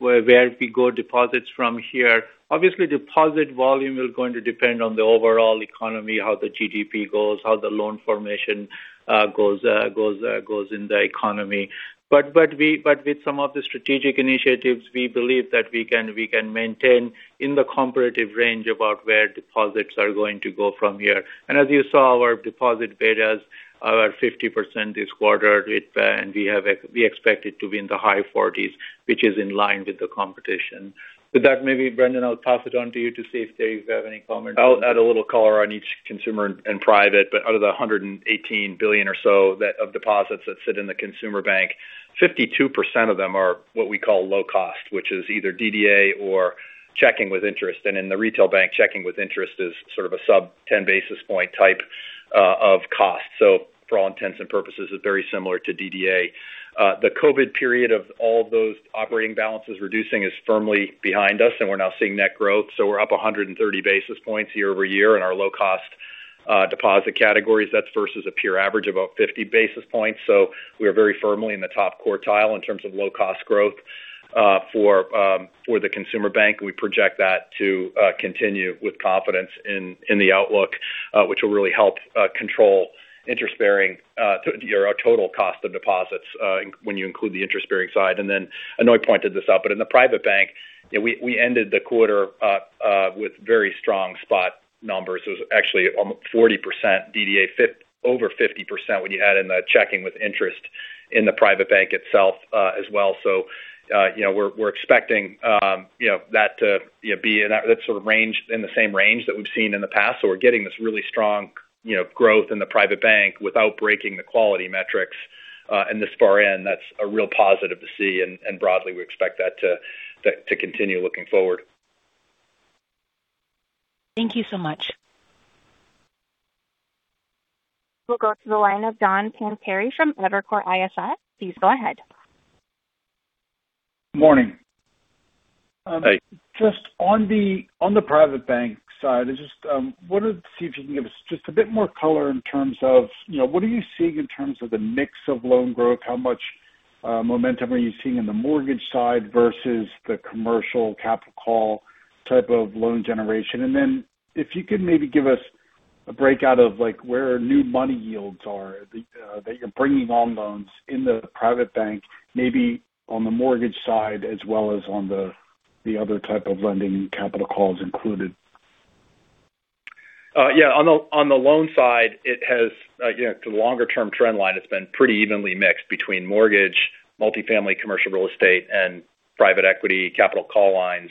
where we go deposits from here. Obviously, deposit volume is going to depend on the overall economy, how the GDP goes, how the loan formation goes in the economy. With some of the strategic initiatives, we believe that we can maintain in the competitive range about where deposits are going to go from here. As you saw, our deposit betas are 50% this quarter, and we expect it to be in the high 40s, which is in line with the competition. With that, maybe Brendan, I'll pass it on to you to see if you have any comments. I'll add a little color on each consumer and private. Out of the $118 billion or so of deposits that sit in the consumer bank, 52% of them are what we call low-cost, which is either DDA or checking with interest. In the retail bank, checking with interest is sort of a sub 10 basis point type of cost. For all intents and purposes, it's very similar to DDA. The COVID period of all of those operating balances reducing is firmly behind us, and we're now seeing net growth. We're up 130 basis points year-over-year in our low-cost deposit categories. That's versus a peer average of about 50 basis points. We are very firmly in the top quartile in terms of low-cost growth for the consumer bank. We project that to continue with confidence in the outlook, which will really help control interest bearing or our total cost of deposits when you include the interest bearing side. Then Aunoy pointed this out, but in the private bank, we ended the quarter with very strong spot numbers. It was actually almost 40% DDA, over 50% when you add in the checking with interest in the private bank itself as well. We're expecting that to be in the same range that we've seen in the past. We're getting this really strong growth in the private bank without breaking the quality metrics in this far end. That's a real positive to see. Broadly, we expect that to continue looking forward. Thank you so much. We'll go to the line of John Pancari from Evercore ISI. Please go ahead. Morning. Hey. Just on the private bank side, I just wanted to see if you can give us just a bit more color in terms of what are you seeing in terms of the mix of loan growth. How much momentum are you seeing in the mortgage side versus the commercial capital call type of loan generation? And then if you could maybe give us a breakout of where new money yields are that you're bringing on loans in the private bank, maybe on the mortgage side as well as on the other type of lending capital calls included? Yeah. On the loan side, the longer-term trend line has been pretty evenly mixed between mortgage, multifamily commercial real estate, and private equity capital call lines.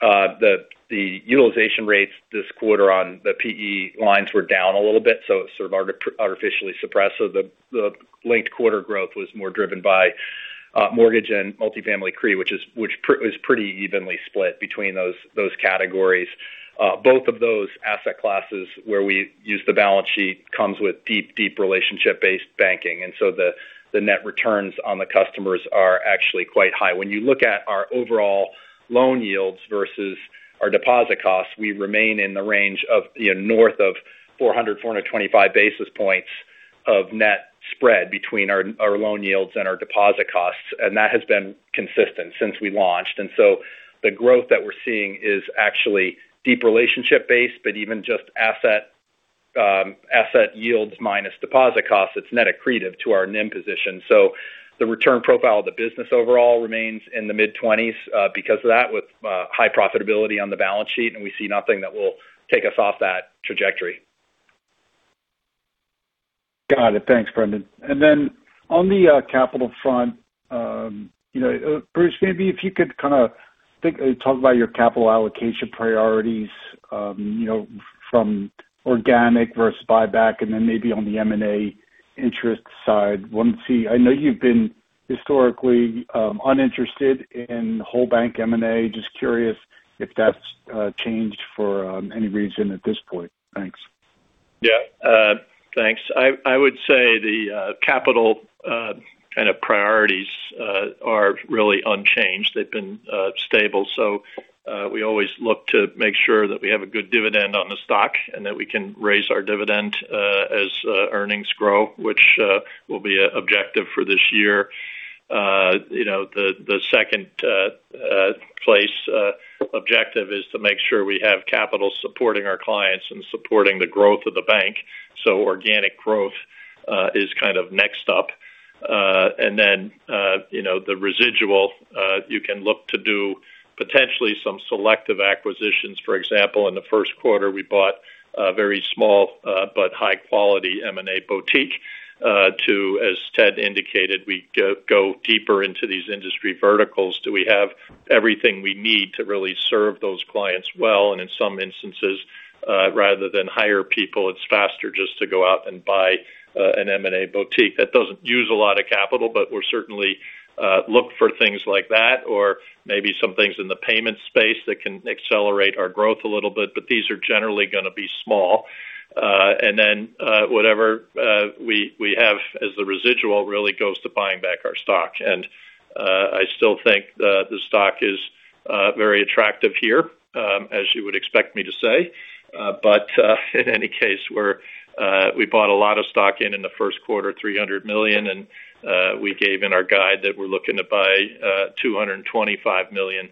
The utilization rates this quarter on the PE lines were down a little bit, so it sort of artificially suppressed. The linked quarter growth was more driven by mortgage and multifamily CRE, which is pretty evenly split between those categories. Both of those asset classes where we use the balance sheet comes with deep, deep relationship-based banking, and so the net returns on the customers are actually quite high. When you look at our overall loan yields versus our deposit costs, we remain in the range of north of 400-425 basis points of net spread between our loan yields and our deposit costs. That has been consistent since we launched. The growth that we're seeing is actually deep relationship based, but even just asset yields minus deposit costs, it's net accretive to our NIM position. The return profile of the business overall remains in the mid-20s because of that, with high profitability on the balance sheet, and we see nothing that will take us off that trajectory. Got it. Thanks, Brendan. On the capital front, Bruce, maybe if you could kind of talk about your capital allocation priorities from organic versus buyback, and then maybe on the M&A interest side. I know you've been historically uninterested in whole bank M&A. Just curious if that's changed for any reason at this point. Thanks. Yeah. Thanks. I would say the capital kind of priorities are really unchanged. They've been stable. We always look to make sure that we have a good dividend on the stock and that we can raise our dividend as earnings grow, which will be an objective for this year. The second place objective is to make sure we have capital supporting our clients and supporting the growth of the bank. Organic growth is kind of next up. Then the residual you can look to do potentially some selective acquisitions. For example, in the first quarter, we bought a very small but high-quality M&A boutique to, as Ted indicated, we go deeper into these industry verticals. Do we have everything we need to really serve those clients well? In some instances, rather than hire people, it's faster just to go out and buy an M&A boutique. That doesn't use a lot of capital, but we certainly look for things like that or maybe some things in the payment space that can accelerate our growth a little bit. These are generally going to be small. Whatever we have as the residual really goes to buying back our stock. I still think the stock is very attractive here, as you would expect me to say. In any case, we bought a lot of stock in the first quarter, $300 million, and we gave in our guide that we're looking to buy $225 million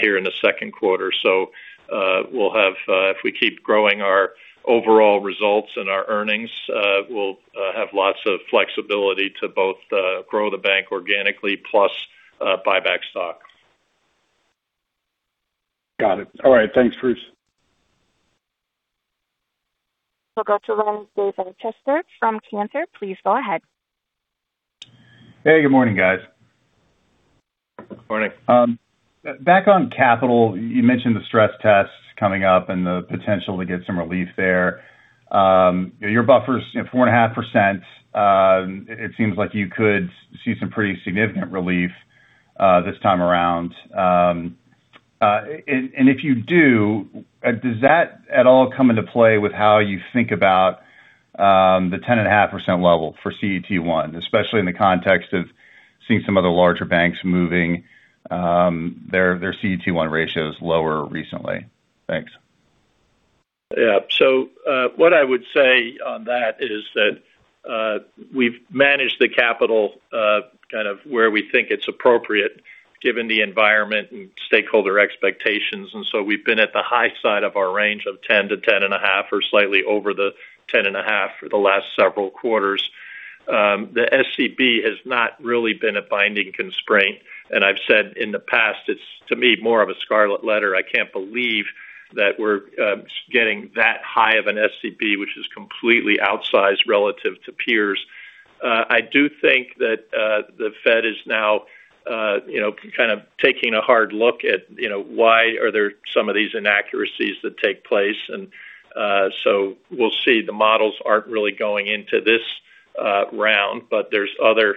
here in the second quarter. If we keep growing our overall results and our earnings, we'll have lots of flexibility to both grow the bank organically plus buy back stock. Got it. All right. Thanks, Bruce. We'll go to the line of David Rochester from Cantor. Please go ahead. Hey, good morning, guys. Morning. Back on capital, you mentioned the stress tests coming up and the potential to get some relief there. Your buffer's 4.5%. It seems like you could see some pretty significant relief this time around. If you do, does that at all come into play with how you think about the 10.5% level for CET1, especially in the context of seeing some of the larger banks moving their CET1 ratios lower recently? Thanks. Yeah. What I would say on that is that we've managed the capital where we think it's appropriate given the environment and stakeholder expectations. We've been at the high side of our range of 10%-10.5% or slightly over the 10.5% for the last several quarters. The SCB has not really been a binding constraint. I've said in the past, it's to me more of a scarlet letter. I can't believe that we're getting that high of an SCB, which is completely outsized relative to peers. I do think that the Fed is now kind of taking a hard look at why are there some of these inaccuracies that take place. We'll see. The models aren't really going into this round, but there's other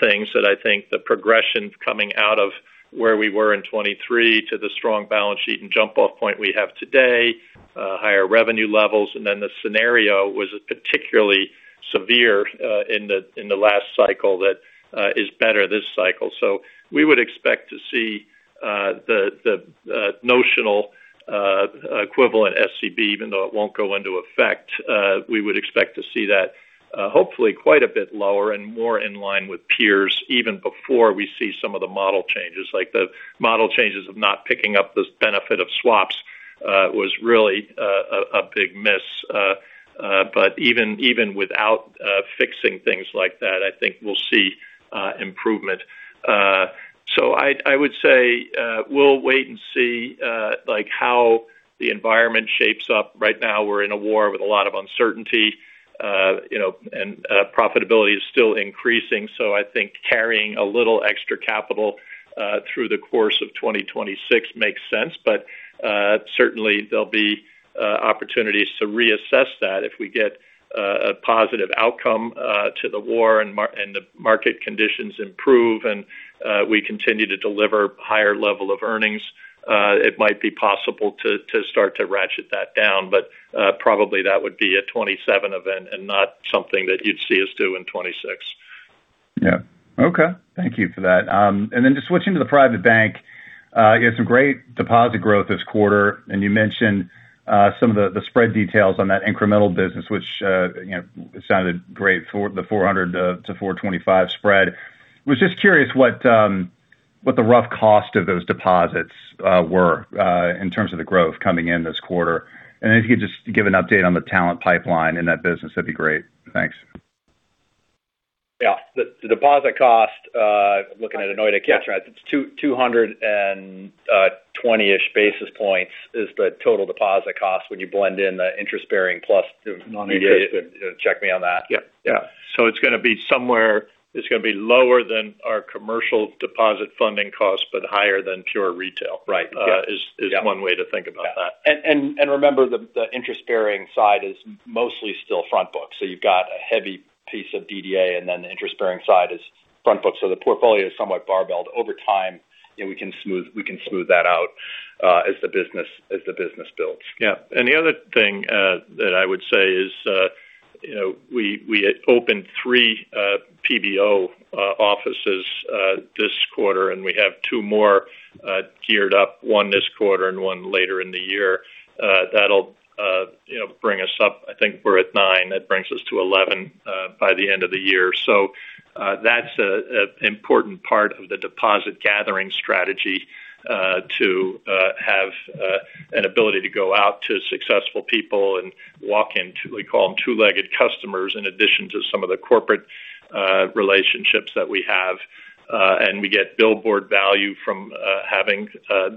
things that I think the progression coming out of where we were in 2023 to the strong balance sheet and jump-off point we have today, higher revenue levels, and then the scenario was particularly severe in the last cycle that is better this cycle. We would expect to see the notional equivalent SCB, even though it won't go into effect. We would expect to see that hopefully quite a bit lower and more in line with peers even before we see some of the model changes. Like the model changes of not picking up the benefit of swaps was really a big miss. Even without fixing things like that, I think we'll see improvement. I would say we'll wait and see how the environment shapes up. Right now we're in a war with a lot of uncertainty, and profitability is still increasing. I think carrying a little extra capital through the course of 2026 makes sense. Certainly there'll be opportunities to reassess that if we get a positive outcome to the war and the market conditions improve and we continue to deliver higher level of earnings, it might be possible to start to ratchet that down. Probably that would be a 2027 event and not something that you'd see us do in 2026. Yeah. Okay. Thank you for that. Then just switching to the private bank. You had some great deposit growth this quarter, and you mentioned some of the spread details on that incremental business which sounded great for the 400-425 spread. Was just curious what the rough cost of those deposits were in terms of the growth coming in this quarter? If you could just give an update on the talent pipeline in that business, that'd be great. Thanks. Yeah. The deposit cost, looking at Aunoy, it's 220-ish basis points is the total deposit cost when you blend in the interest bearing plus non-interest. Check me on that. Yep. Yeah. It's going to be lower than our commercial deposit funding cost, but higher than pure retail. Is one way to think about that. Remember, the interest bearing side is mostly still front book. You've got a heavy piece of DDA, and then the interest bearing side is front book. The portfolio is somewhat barbelled over time, and we can smooth that out as the business builds. Yeah. The other thing that I would say is we opened three PBO offices this quarter, and we have two more geared up, one this quarter and one later in the year. That'll bring us up. I think we're at nine, that brings us to 11 by the end of the year. That's an important part of the deposit gathering strategy to have an ability to go out to successful people and walk in, we call them two-legged customers, in addition to some of the corporate relationships that we have. We get billboard value from having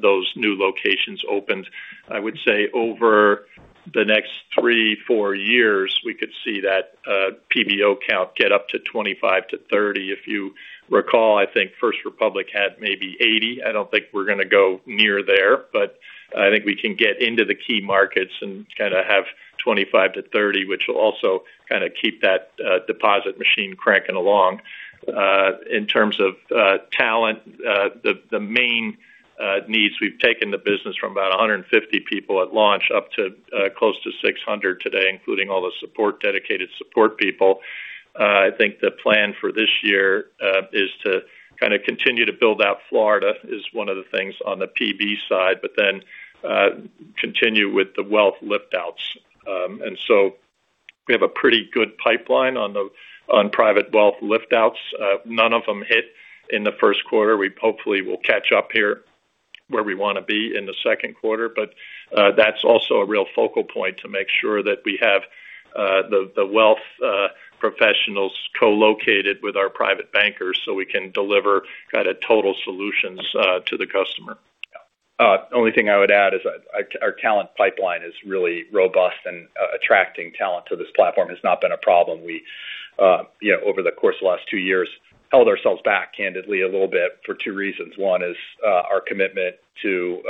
those new locations opened. I would say over the next 3-4 years, we could see that PBO count get up to 25-30. If you recall, I think First Republic had maybe 80. I don't think we're going to go near there, but I think we can get into the key markets and kind of have 25-30, which will also kind of keep that deposit machine cranking along. In terms of talent, the main needs, we've taken the business from about 150 people at launch up to close to 600 today, including all the dedicated support people. I think the plan for this year is to kind of continue to build out Florida is one of the things on the PB side, but then continue with the wealth lift outs. We have a pretty good pipeline on private wealth lift outs. None of them hit in the first quarter. We hopefully will catch up here where we want to be in the second quarter, that's also a real focal point to make sure that we have the wealth professionals co-located with our private bankers so we can deliver kind of total solutions to the customer. Only thing I would add is our talent pipeline is really robust, and attracting talent to this platform has not been a problem. Over the course of the last two years, we've held ourselves back candidly a little bit for two reasons. One is our commitment to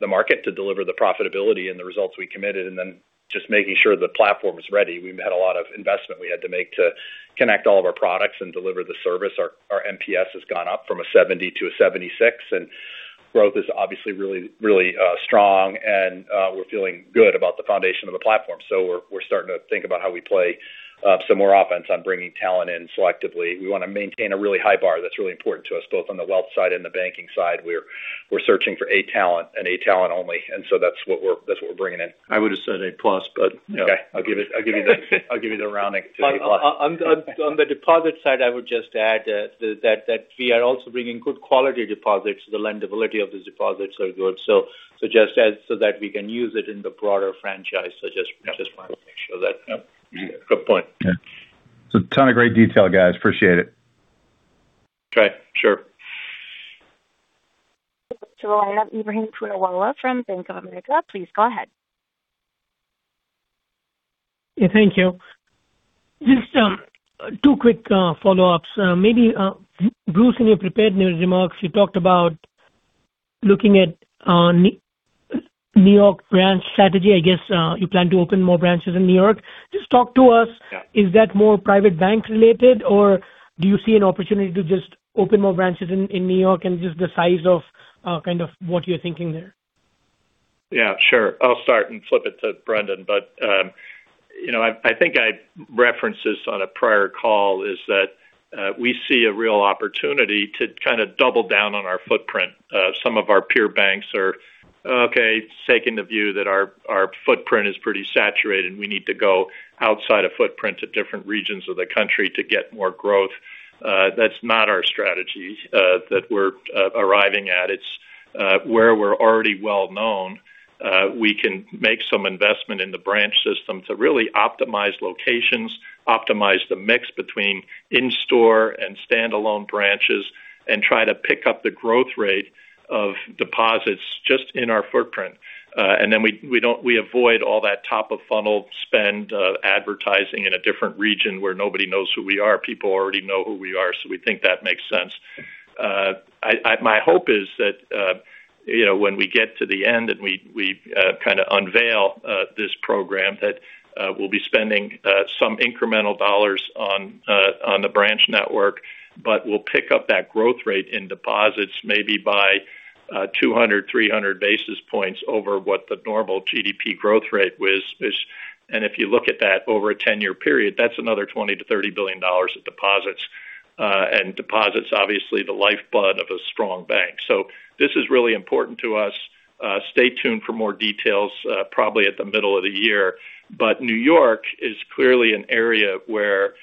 the market to deliver the profitability and the results we committed, and then just making sure the platform is ready. We've had a lot of investment we had to make to connect all of our products and deliver the service. Our NPS has gone up from 70-76, and growth is obviously really strong and we're feeling good about the foundation of the platform. We're starting to think about how we play some more offense on bringing talent in selectively. We want to maintain a really high bar that's really important to us, both on the wealth side and the banking side. We're searching for A talent and A talent only. That's what we're bringing in. I would have said A plus, but. Okay. I'll give you the rounding to A plus. On the deposit side, I would just add that we are also bringing good quality deposits. The lendability of the deposits are good. Just so that we can use it in the broader franchise. Just wanted to make sure that. Yeah. Good point. Ton of great detail, guys. Appreciate it. Okay, sure. We have Ebrahim Poonawala from Bank of America. Please go ahead. Yeah, thank you. Just two quick follow-ups. Maybe, Bruce, in your prepared remarks, you talked about looking at New York branch strategy. I guess you plan to open more branches in New York. Just talk to us. Is that more private banks related, or do you see an opportunity to just open more branches in New York and just the size of what you're thinking there? Yeah, sure. I'll start and flip it to Brendan. I think I referenced this on a prior call, is that we see a real opportunity to kind of double down on our footprint. Some of our peer banks are okay taking the view that our footprint is pretty saturated and we need to go outside a footprint to different regions of the country to get more growth. That's not our strategy that we're arriving at. It's where we're already well-known. We can make some investment in the branch system to really optimize locations, optimize the mix between in-store and standalone branches, and try to pick up the growth rate of deposits just in our footprint. Then we avoid all that top of funnel spend advertising in a different region where nobody knows who we are. People already know who we are, so we think that makes sense. My hope is that when we get to the end and we kind of unveil this program, that we'll be spending some incremental dollars on the branch network, but we'll pick up that growth rate in deposits maybe by 200, 300 basis points over what the normal GDP growth rate is. If you look at that over a 10-year period, that's another $20 billion-$30 billion of deposits. Deposits, obviously the lifeblood of a strong bank. This is really important to us. Stay tuned for more details, probably at the middle of the year. New York is clearly an area where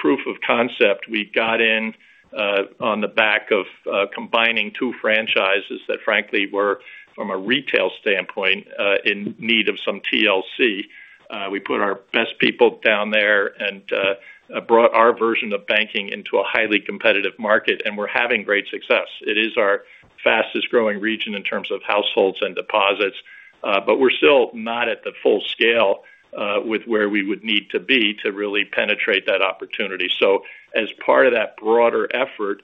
proof of concept, we got in on the back of combining two franchises that frankly were, from a retail standpoint, in need of some TLC. We put our best people down there and brought our version of banking into a highly competitive market, and we're having great success. It is our fastest growing region in terms of households and deposits. We're still not at the full scale with where we would need to be to really penetrate that opportunity. As part of that broader effort,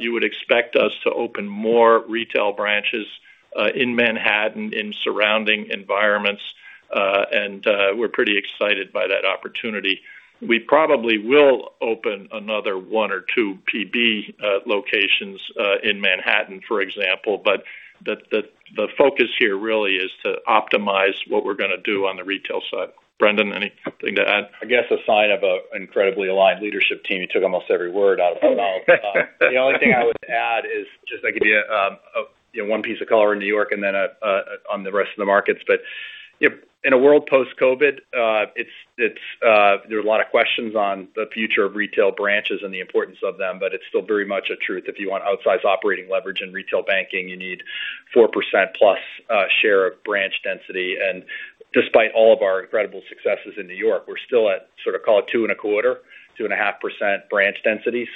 you would expect us to open more retail branches in Manhattan, in surrounding environments. We're pretty excited by that opportunity. We probably will open another one or two PB locations in Manhattan, for example. The focus here really is to optimize what we're going to do on the retail side. Brendan, anything to add? I guess a sign of an incredibly aligned leadership team. You took almost every word out of my mouth. The only thing I would add is just, I'll give you one piece of color in New York and then on the rest of the markets. In a world post-COVID, there's a lot of questions on the future of retail branches and the importance of them. It's still very much a truth, if you want outsized operating leverage in retail banking, you need 4%+ share of branch density. Despite all of our incredible successes in New York, we're still at sort of call it 2.25%, 2.5% branch density.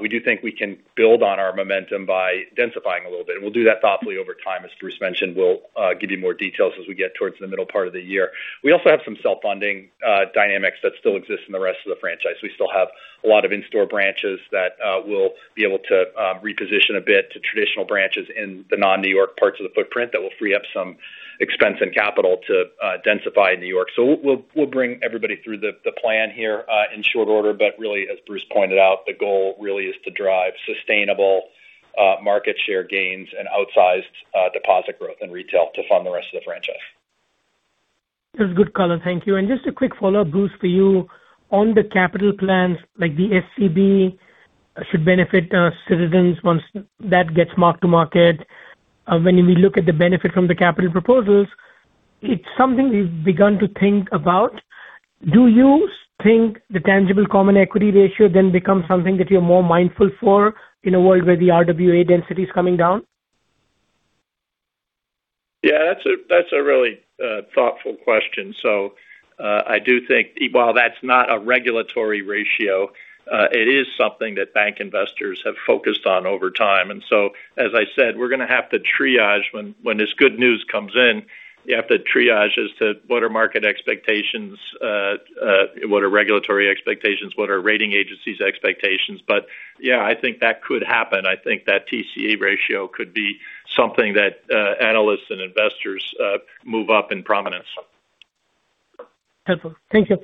We do think we can build on our momentum by densifying a little bit, and we'll do that thoughtfully over time. As Bruce mentioned, we'll give you more details as we get towards the middle part of the year. We also have some self-funding dynamics that still exist in the rest of the franchise. We still have a lot of in-store branches that we'll be able to reposition a bit to traditional branches in the non-New York parts of the footprint that will free up some expense and capital to densify in New York. We'll bring everybody through the plan here in short order. Really, as Bruce pointed out, the goal really is to drive sustainable market share gains and outsized deposit growth in retail to fund the rest of the franchise. That's good color. Thank you. Just a quick follow-up, Bruce, for you on the capital plans, like the SCB should benefit Citizens once that gets mark-to-market. When we look at the benefit from the capital proposals, it's something we've begun to think about. Do you think the tangible common equity ratio then becomes something that you're more mindful for in a world where the RWA density is coming down? Yeah, that's a really thoughtful question. I do think while that's not a regulatory ratio, it is something that bank investors have focused on over time. As I said, we're going to have to triage when this good news comes in. You have to triage as to what are market expectations, what are regulatory expectations, what are rating agencies' expectations. Yeah, I think that could happen. I think that TCE ratio could be something that analysts and investors move up in prominence. Helpful. Thank you.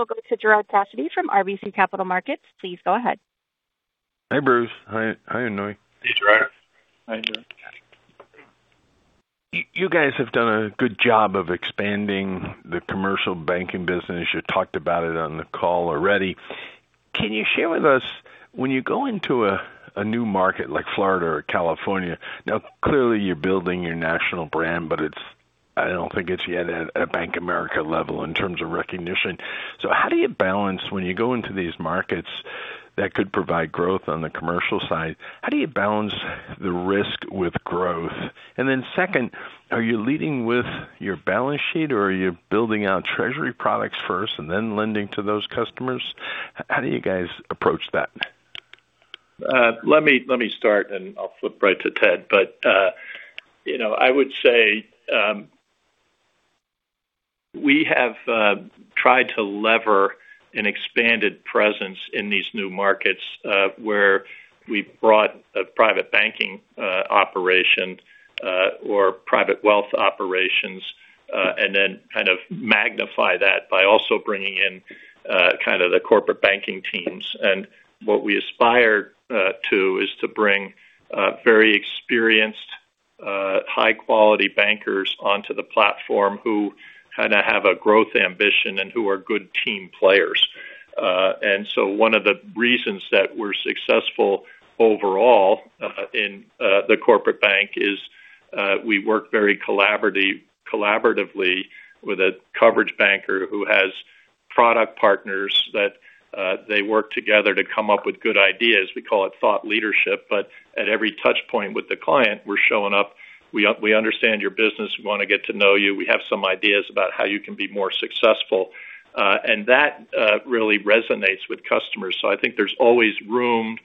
We'll go to Gerard Cassidy from RBC Capital Markets. Please go ahead. Hi, Bruce. Hi, Aunoy. Hey, Gerard. Hi, Gerard. You guys have done a good job of expanding the commercial banking business. You talked about it on the call already. Can you share with us when you go into a new market like Florida or California, now, clearly you're building your national brand, but I don't think it's yet at a Bank of America level in terms of recognition. How do you balance when you go into these markets that could provide growth on the commercial side? How do you balance the risk with growth? Second, are you leading with your balance sheet or are you building out treasury products first and then lending to those customers? How do you guys approach that? Let me start, and I'll flip right to Ted. I would say, we have tried to leverage an expanded presence in these new markets, where we've brought a private banking operation, or private wealth operations, and then kind of magnify that by also bringing in the corporate banking teams. What we aspire to is to bring very experienced, high-quality bankers onto the platform who have a growth ambition and who are good team players. One of the reasons that we're successful overall in the corporate bank is we work very collaboratively with a coverage banker who has product partners that they work together to come up with good ideas. We call it thought leadership. At every touch point with the client, we're showing up. We understand your business. We want to get to know you. We have some ideas about how you can be more successful. That really resonates with customers. I think there's always room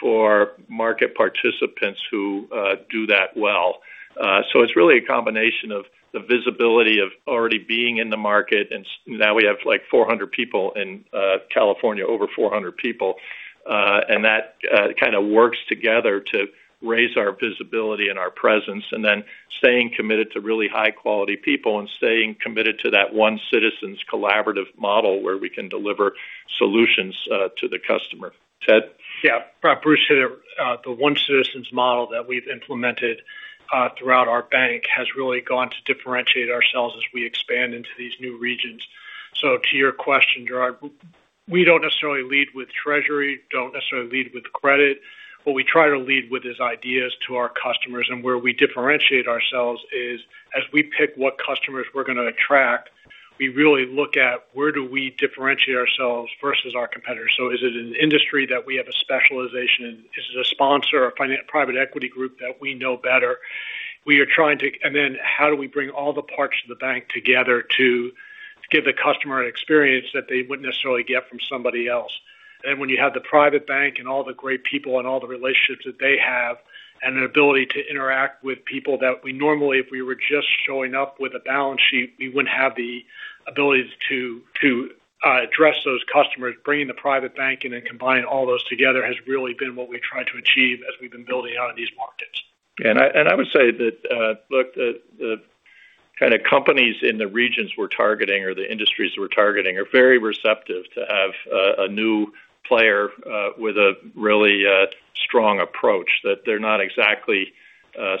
for market participants who do that well. It's really a combination of the visibility of already being in the market. Now we have 400 people in California, over 400 people. That kind of works together to raise our visibility and our presence, and then staying committed to really high-quality people and staying committed to that One Citizens collaborative model where we can deliver solutions to the customer. Ted? Yeah. Bruce hit it. The One Citizens model that we've implemented throughout our bank has really gone to differentiate ourselves as we expand into these new regions. To your question, Gerard, we don't necessarily lead with treasury, don't necessarily lead with credit. What we try to lead with is ideas to our customers. Where we differentiate ourselves is as we pick what customers we're going to attract, we really look at where do we differentiate ourselves versus our competitors. Is it an industry that we have a specialization in? Is it a sponsor or a private equity group that we know better? Then how do we bring all the parts of the bank together to give the customer an experience that they wouldn't necessarily get from somebody else? When you have the private bank and all the great people and all the relationships that they have, and an ability to interact with people that we normally, if we were just showing up with a balance sheet, we wouldn't have the ability to address those customers. Bringing the private bank in and combining all those together has really been what we try to achieve as we've been building out in these markets. I would say that the kind of companies in the regions we're targeting or the industries we're targeting are very receptive to have a new player with a really strong approach. That they're not exactly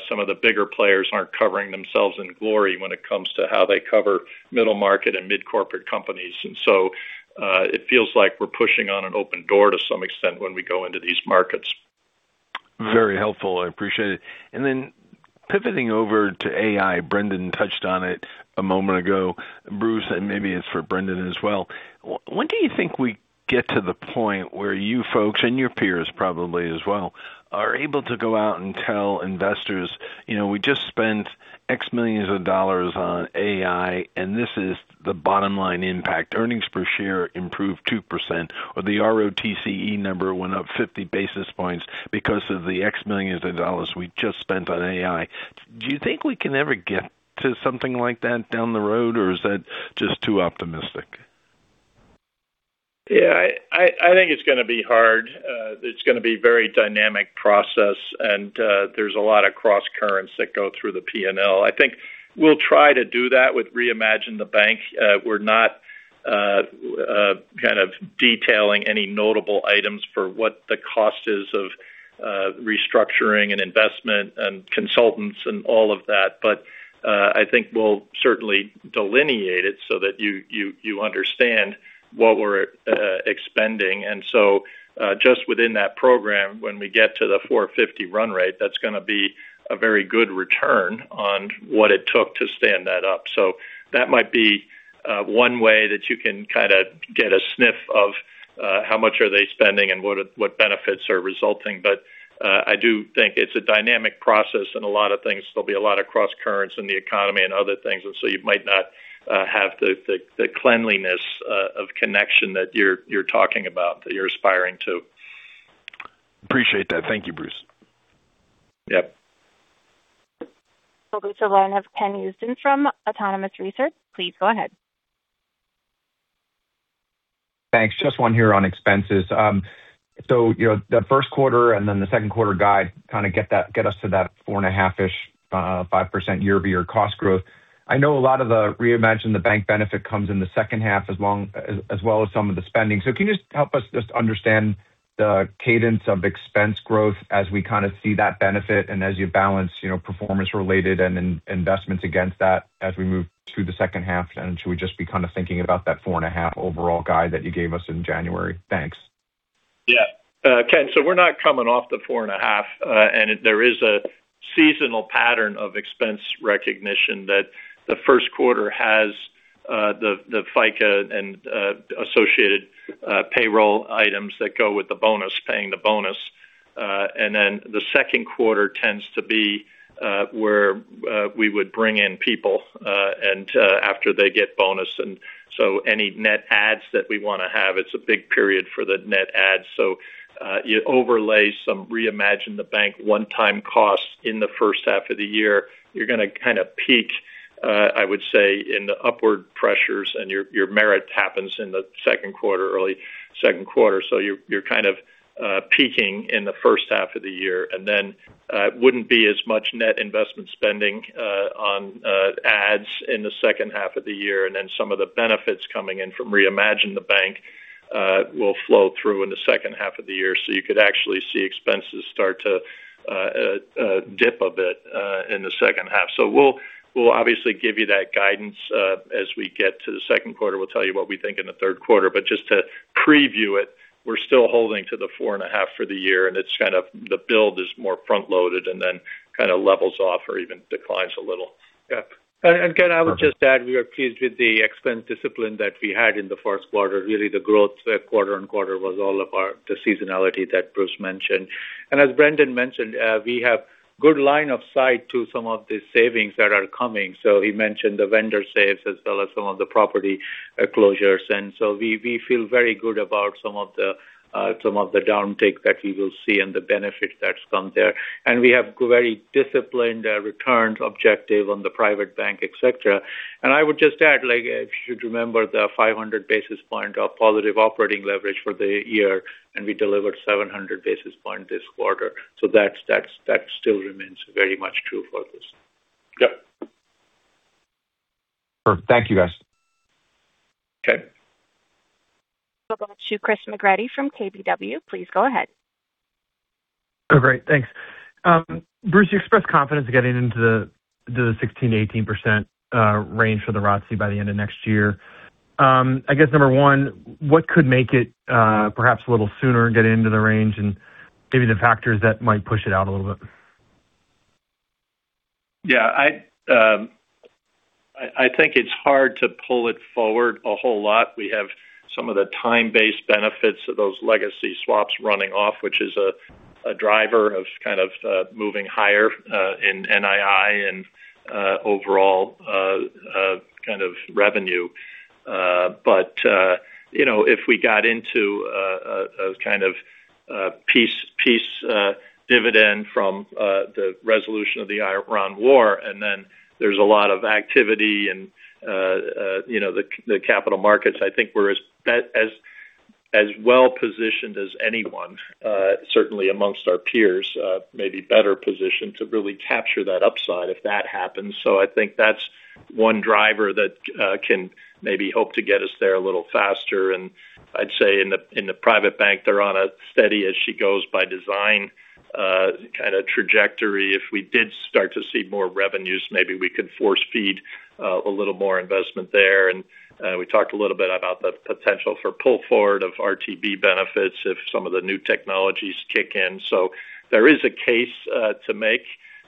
some of the bigger players aren't covering themselves in glory when it comes to how they cover middle market and mid-corporate companies. It feels like we're pushing on an open door to some extent when we go into these markets. Very helpful. I appreciate it. Then pivoting over to AI. Brendan touched on it a moment ago. Bruce, and maybe it's for Brendan as well. When do you think we get to the point where you folks, and your peers probably as well, are able to go out and tell investors, we just spent $X million on AI, and this is the bottom line impact. Earnings per share improved 2% or the ROTCE number went up 50 basis points because of the $X million we just spent on AI. Do you think we can ever get to something like that down the road? Is that just too optimistic? Yeah. I think it's going to be hard. It's going to be very dynamic process, and there's a lot of cross currents that go through the P&L. I think we'll try to do that with Reimagine the Bank. We're not kind of detailing any notable items for what the cost is of restructuring and investment and consultants and all of that. I think we'll certainly delineate it so that you understand what we're expending. Just within that program, when we get to the 450 run rate, that's going to be a very good return on what it took to stand that up. That might be one way that you can kind of get a sniff of how much are they spending and what benefits are resulting. I do think it's a dynamic process and a lot of things. There'll be a lot of cross currents in the economy and other things. You might not have the cleanliness of connection that you're talking about, that you're aspiring to. Appreciate that. Thank you, Bruce. Yep. We'll go to line of Ken Usdin from Autonomous Research. Please go ahead. Thanks. Just one here on expenses. The first quarter and then the second quarter guide kind of get us to that 4.5-ish-5% year-over-year cost growth. I know a lot of the Reimagine the Bank benefit comes in the second half as well as some of the spending. Can you just help us just understand the cadence of expense growth as we kind of see that benefit and as you balance performance related and investments against that as we move to the second half? Should we just be kind of thinking about that 4.5 overall guide that you gave us in January? Thanks. Yeah. Ken, we're not coming off the 4.5, and there is a seasonal pattern of expense recognition that the first quarter has the FICA and associated payroll items that go with the bonus, paying the bonus. The second quarter tends to be where we would bring in people and after they get bonus. Any net adds that we want to have, it's a big period for the net adds. You overlay some Reimagine the Bank one-time costs in the first half of the year, you're going to kind of peak I would say, in the upward pressures and your merit happens in the second quarter, early second quarter. You're kind of peaking in the first half of the year. It wouldn't be as much net investment spending on adds in the second half of the year. Some of the benefits coming in from Reimagine the Bank will flow through in the second half of the year. You could actually see expenses start to dip a bit in the second half. We'll obviously give you that guidance as we get to the second quarter. We'll tell you what we think in the third quarter, but just to preview it, we're still holding to the $4.5 for the year, and it's kind of the build is more front-loaded and then kind of levels off or even declines a little. Yeah. Ken, I would just add, we are pleased with the expense discipline that we had in the first quarter. Really the growth quarter-over-quarter was all about the seasonality that Bruce mentioned. As Brendan mentioned, we have good line of sight to some of the savings that are coming. He mentioned the vendor saves as well as some of the property closures. We feel very good about some of the downtick that we will see and the benefit that's come there. We have very disciplined returns objective on the private bank, etc. I would just add, like if you remember the 500 basis points of positive operating leverage for the year, and we delivered 700 basis points this quarter. That still remains very much true for this. Yeah. Perfect. Thank you, guys. Okay. We'll go to Christopher McGratty from KBW. Please go ahead. Oh, great, thanks. Bruce, you expressed confidence getting into the 16%-18% range for the ROTCE by the end of next year. I guess number one, what could make it perhaps a little sooner get into the range and maybe the factors that might push it out a little bit? Yeah. I think it's hard to pull it forward a whole lot. We have some of the time-based benefits of those legacy swaps running off, which is a driver of kind of moving higher in NII and overall kind of revenue. If we got into a kind of peace dividend from the resolution of the Iran war, and then there's a lot of activity in the capital markets, I think we're as well-positioned as anyone certainly amongst our peers maybe better positioned to really capture that upside if that happens. I think that's one driver that can maybe hope to get us there a little faster. I'd say in the private bank, they're on a steady as she goes by design kind of trajectory. If we did start to see more revenues, maybe we could force feed a little more investment there. We talked a little bit about the potential for pull forward of RTB benefits if some of the new technologies kick in. There is a case to make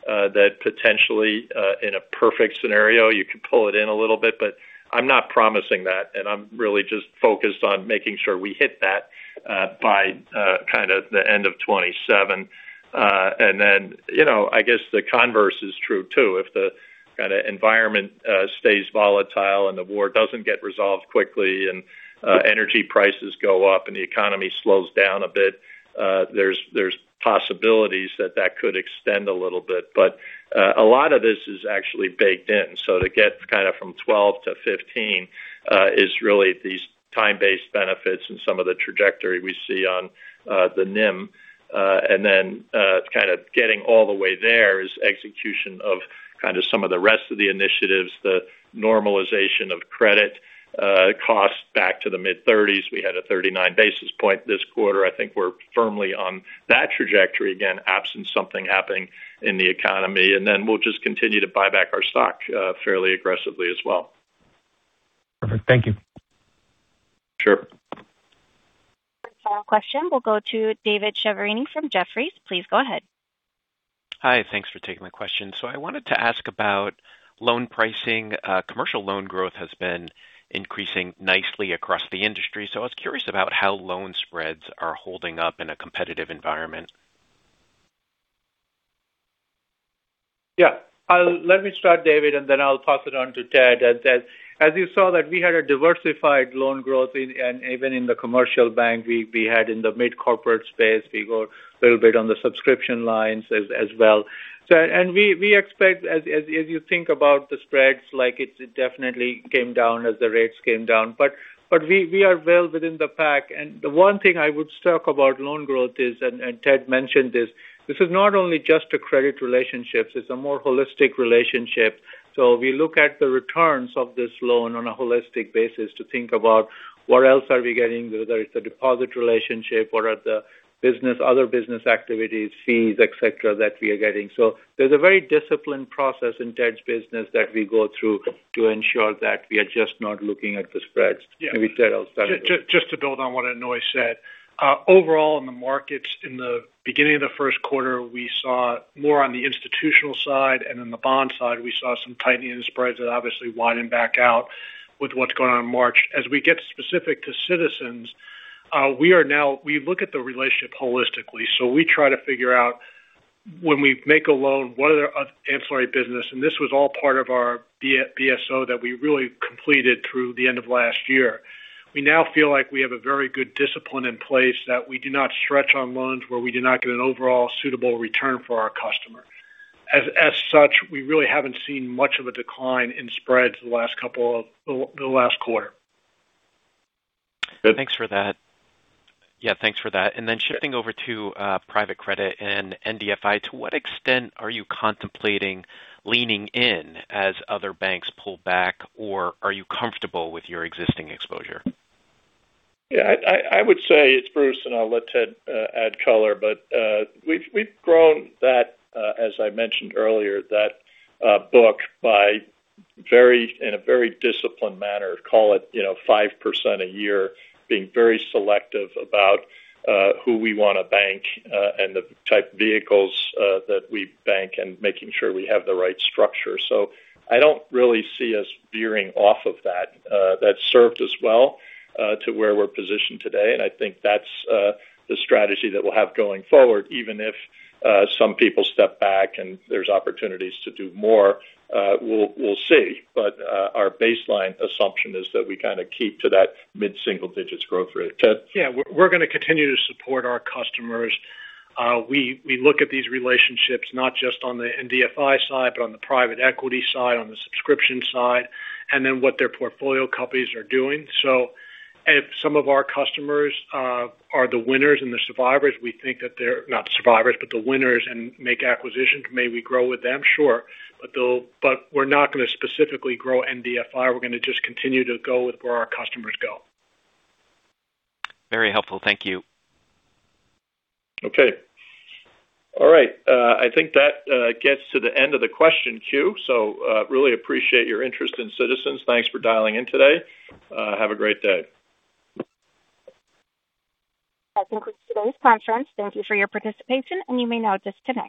that potentially in a perfect scenario, you could pull it in a little bit, but I'm not promising that, and I'm really just focused on making sure we hit that by kind of the end of 2027. I guess the converse is true too. If the kind of environment stays volatile and the war doesn't get resolved quickly and energy prices go up and the economy slows down a bit there's possibilities that that could extend a little bit. A lot of this is actually baked in. To get kind of from 12%-15% is really these time-based benefits and some of the trajectory we see on the NIM. Kind of getting all the way there is execution of kind of some of the rest of the initiatives, the normalization of credit costs back to the mid-30s. We had a 39 basis points this quarter. I think we're firmly on that trajectory again, absent something happening in the economy. We'll just continue to buy back our stock fairly aggressively as well. Perfect. Thank you. Sure. For the final question, we'll go to David Chiaverini from Jefferies. Please go ahead. Hi. Thanks for taking my question. I wanted to ask about loan pricing. Commercial loan growth has been increasing nicely across the industry. I was curious about how loan spreads are holding up in a competitive environment. Yeah. Let me start, David, and then I'll pass it on to Ted. As you saw that we had a diversified loan growth, and even in the commercial bank, we had in the mid-corporate space, we grew a little bit on the subscription lines as well. We expect, as you think about the spreads, it definitely came down as the rates came down. We are well within the pack. The one thing I would talk about loan growth and Ted mentioned this is not only just credit relationships, it's a more holistic relationship. We look at the returns of this loan on a holistic basis to think about what else are we getting, whether it's a deposit relationship or other business activities, fees, etc, that we are getting. There's a very disciplined process in Ted's business that we go through to ensure that we are just not looking at the spreads. Maybe Ted, I'll start with you. Just to build on what Aunoy said. Overall, in the markets in the beginning of the first quarter, we saw more on the institutional side and in the bond side, we saw some tightening in spreads that obviously widened back out with what's going on in March. As we get specific to Citizens, we look at the relationship holistically. We try to figure out when we make a loan, what are their ancillary business. This was all part of our BSO that we really completed through the end of last year. We now feel like we have a very good discipline in place that we do not stretch on loans where we do not get an overall suitable return for our customer. As such, we really haven't seen much of a decline in spreads the last quarter. Yeah, thanks for that. Shifting over to private credit and NBFI, to what extent are you contemplating leaning in as other banks pull back, or are you comfortable with your existing exposure? Yeah, I would say it's Bruce, and I'll let Ted add color. We've grown that, as I mentioned earlier, that book in a very disciplined manner, call it 5% a year, being very selective about who we want to bank and the type of vehicles that we bank and making sure we have the right structure. I don't really see us veering off of that. That served us well to where we're positioned today, and I think that's the strategy that we'll have going forward, even if some people step back and there's opportunities to do more. We'll see. Our baseline assumption is that we kind of keep to that mid-single digits growth rate. Ted? Yeah. We're going to continue to support our customers. We look at these relationships not just on the NBFI side, but on the private equity side, on the subscription side, and then what their portfolio companies are doing. If some of our customers are the winners and the survivors, we think that they're not survivors, but the winners and make acquisitions, may we grow with them? Sure. We're not going to specifically grow NBFI. We're going to just continue to go with where our customers go. Very helpful. Thank you. Okay. All right. I think that gets to the end of the question queue. Really appreciate your interest in Citizens. Thanks for dialing in today. Have a great day. That concludes today's conference. Thank you for your participation, and you may now disconnect.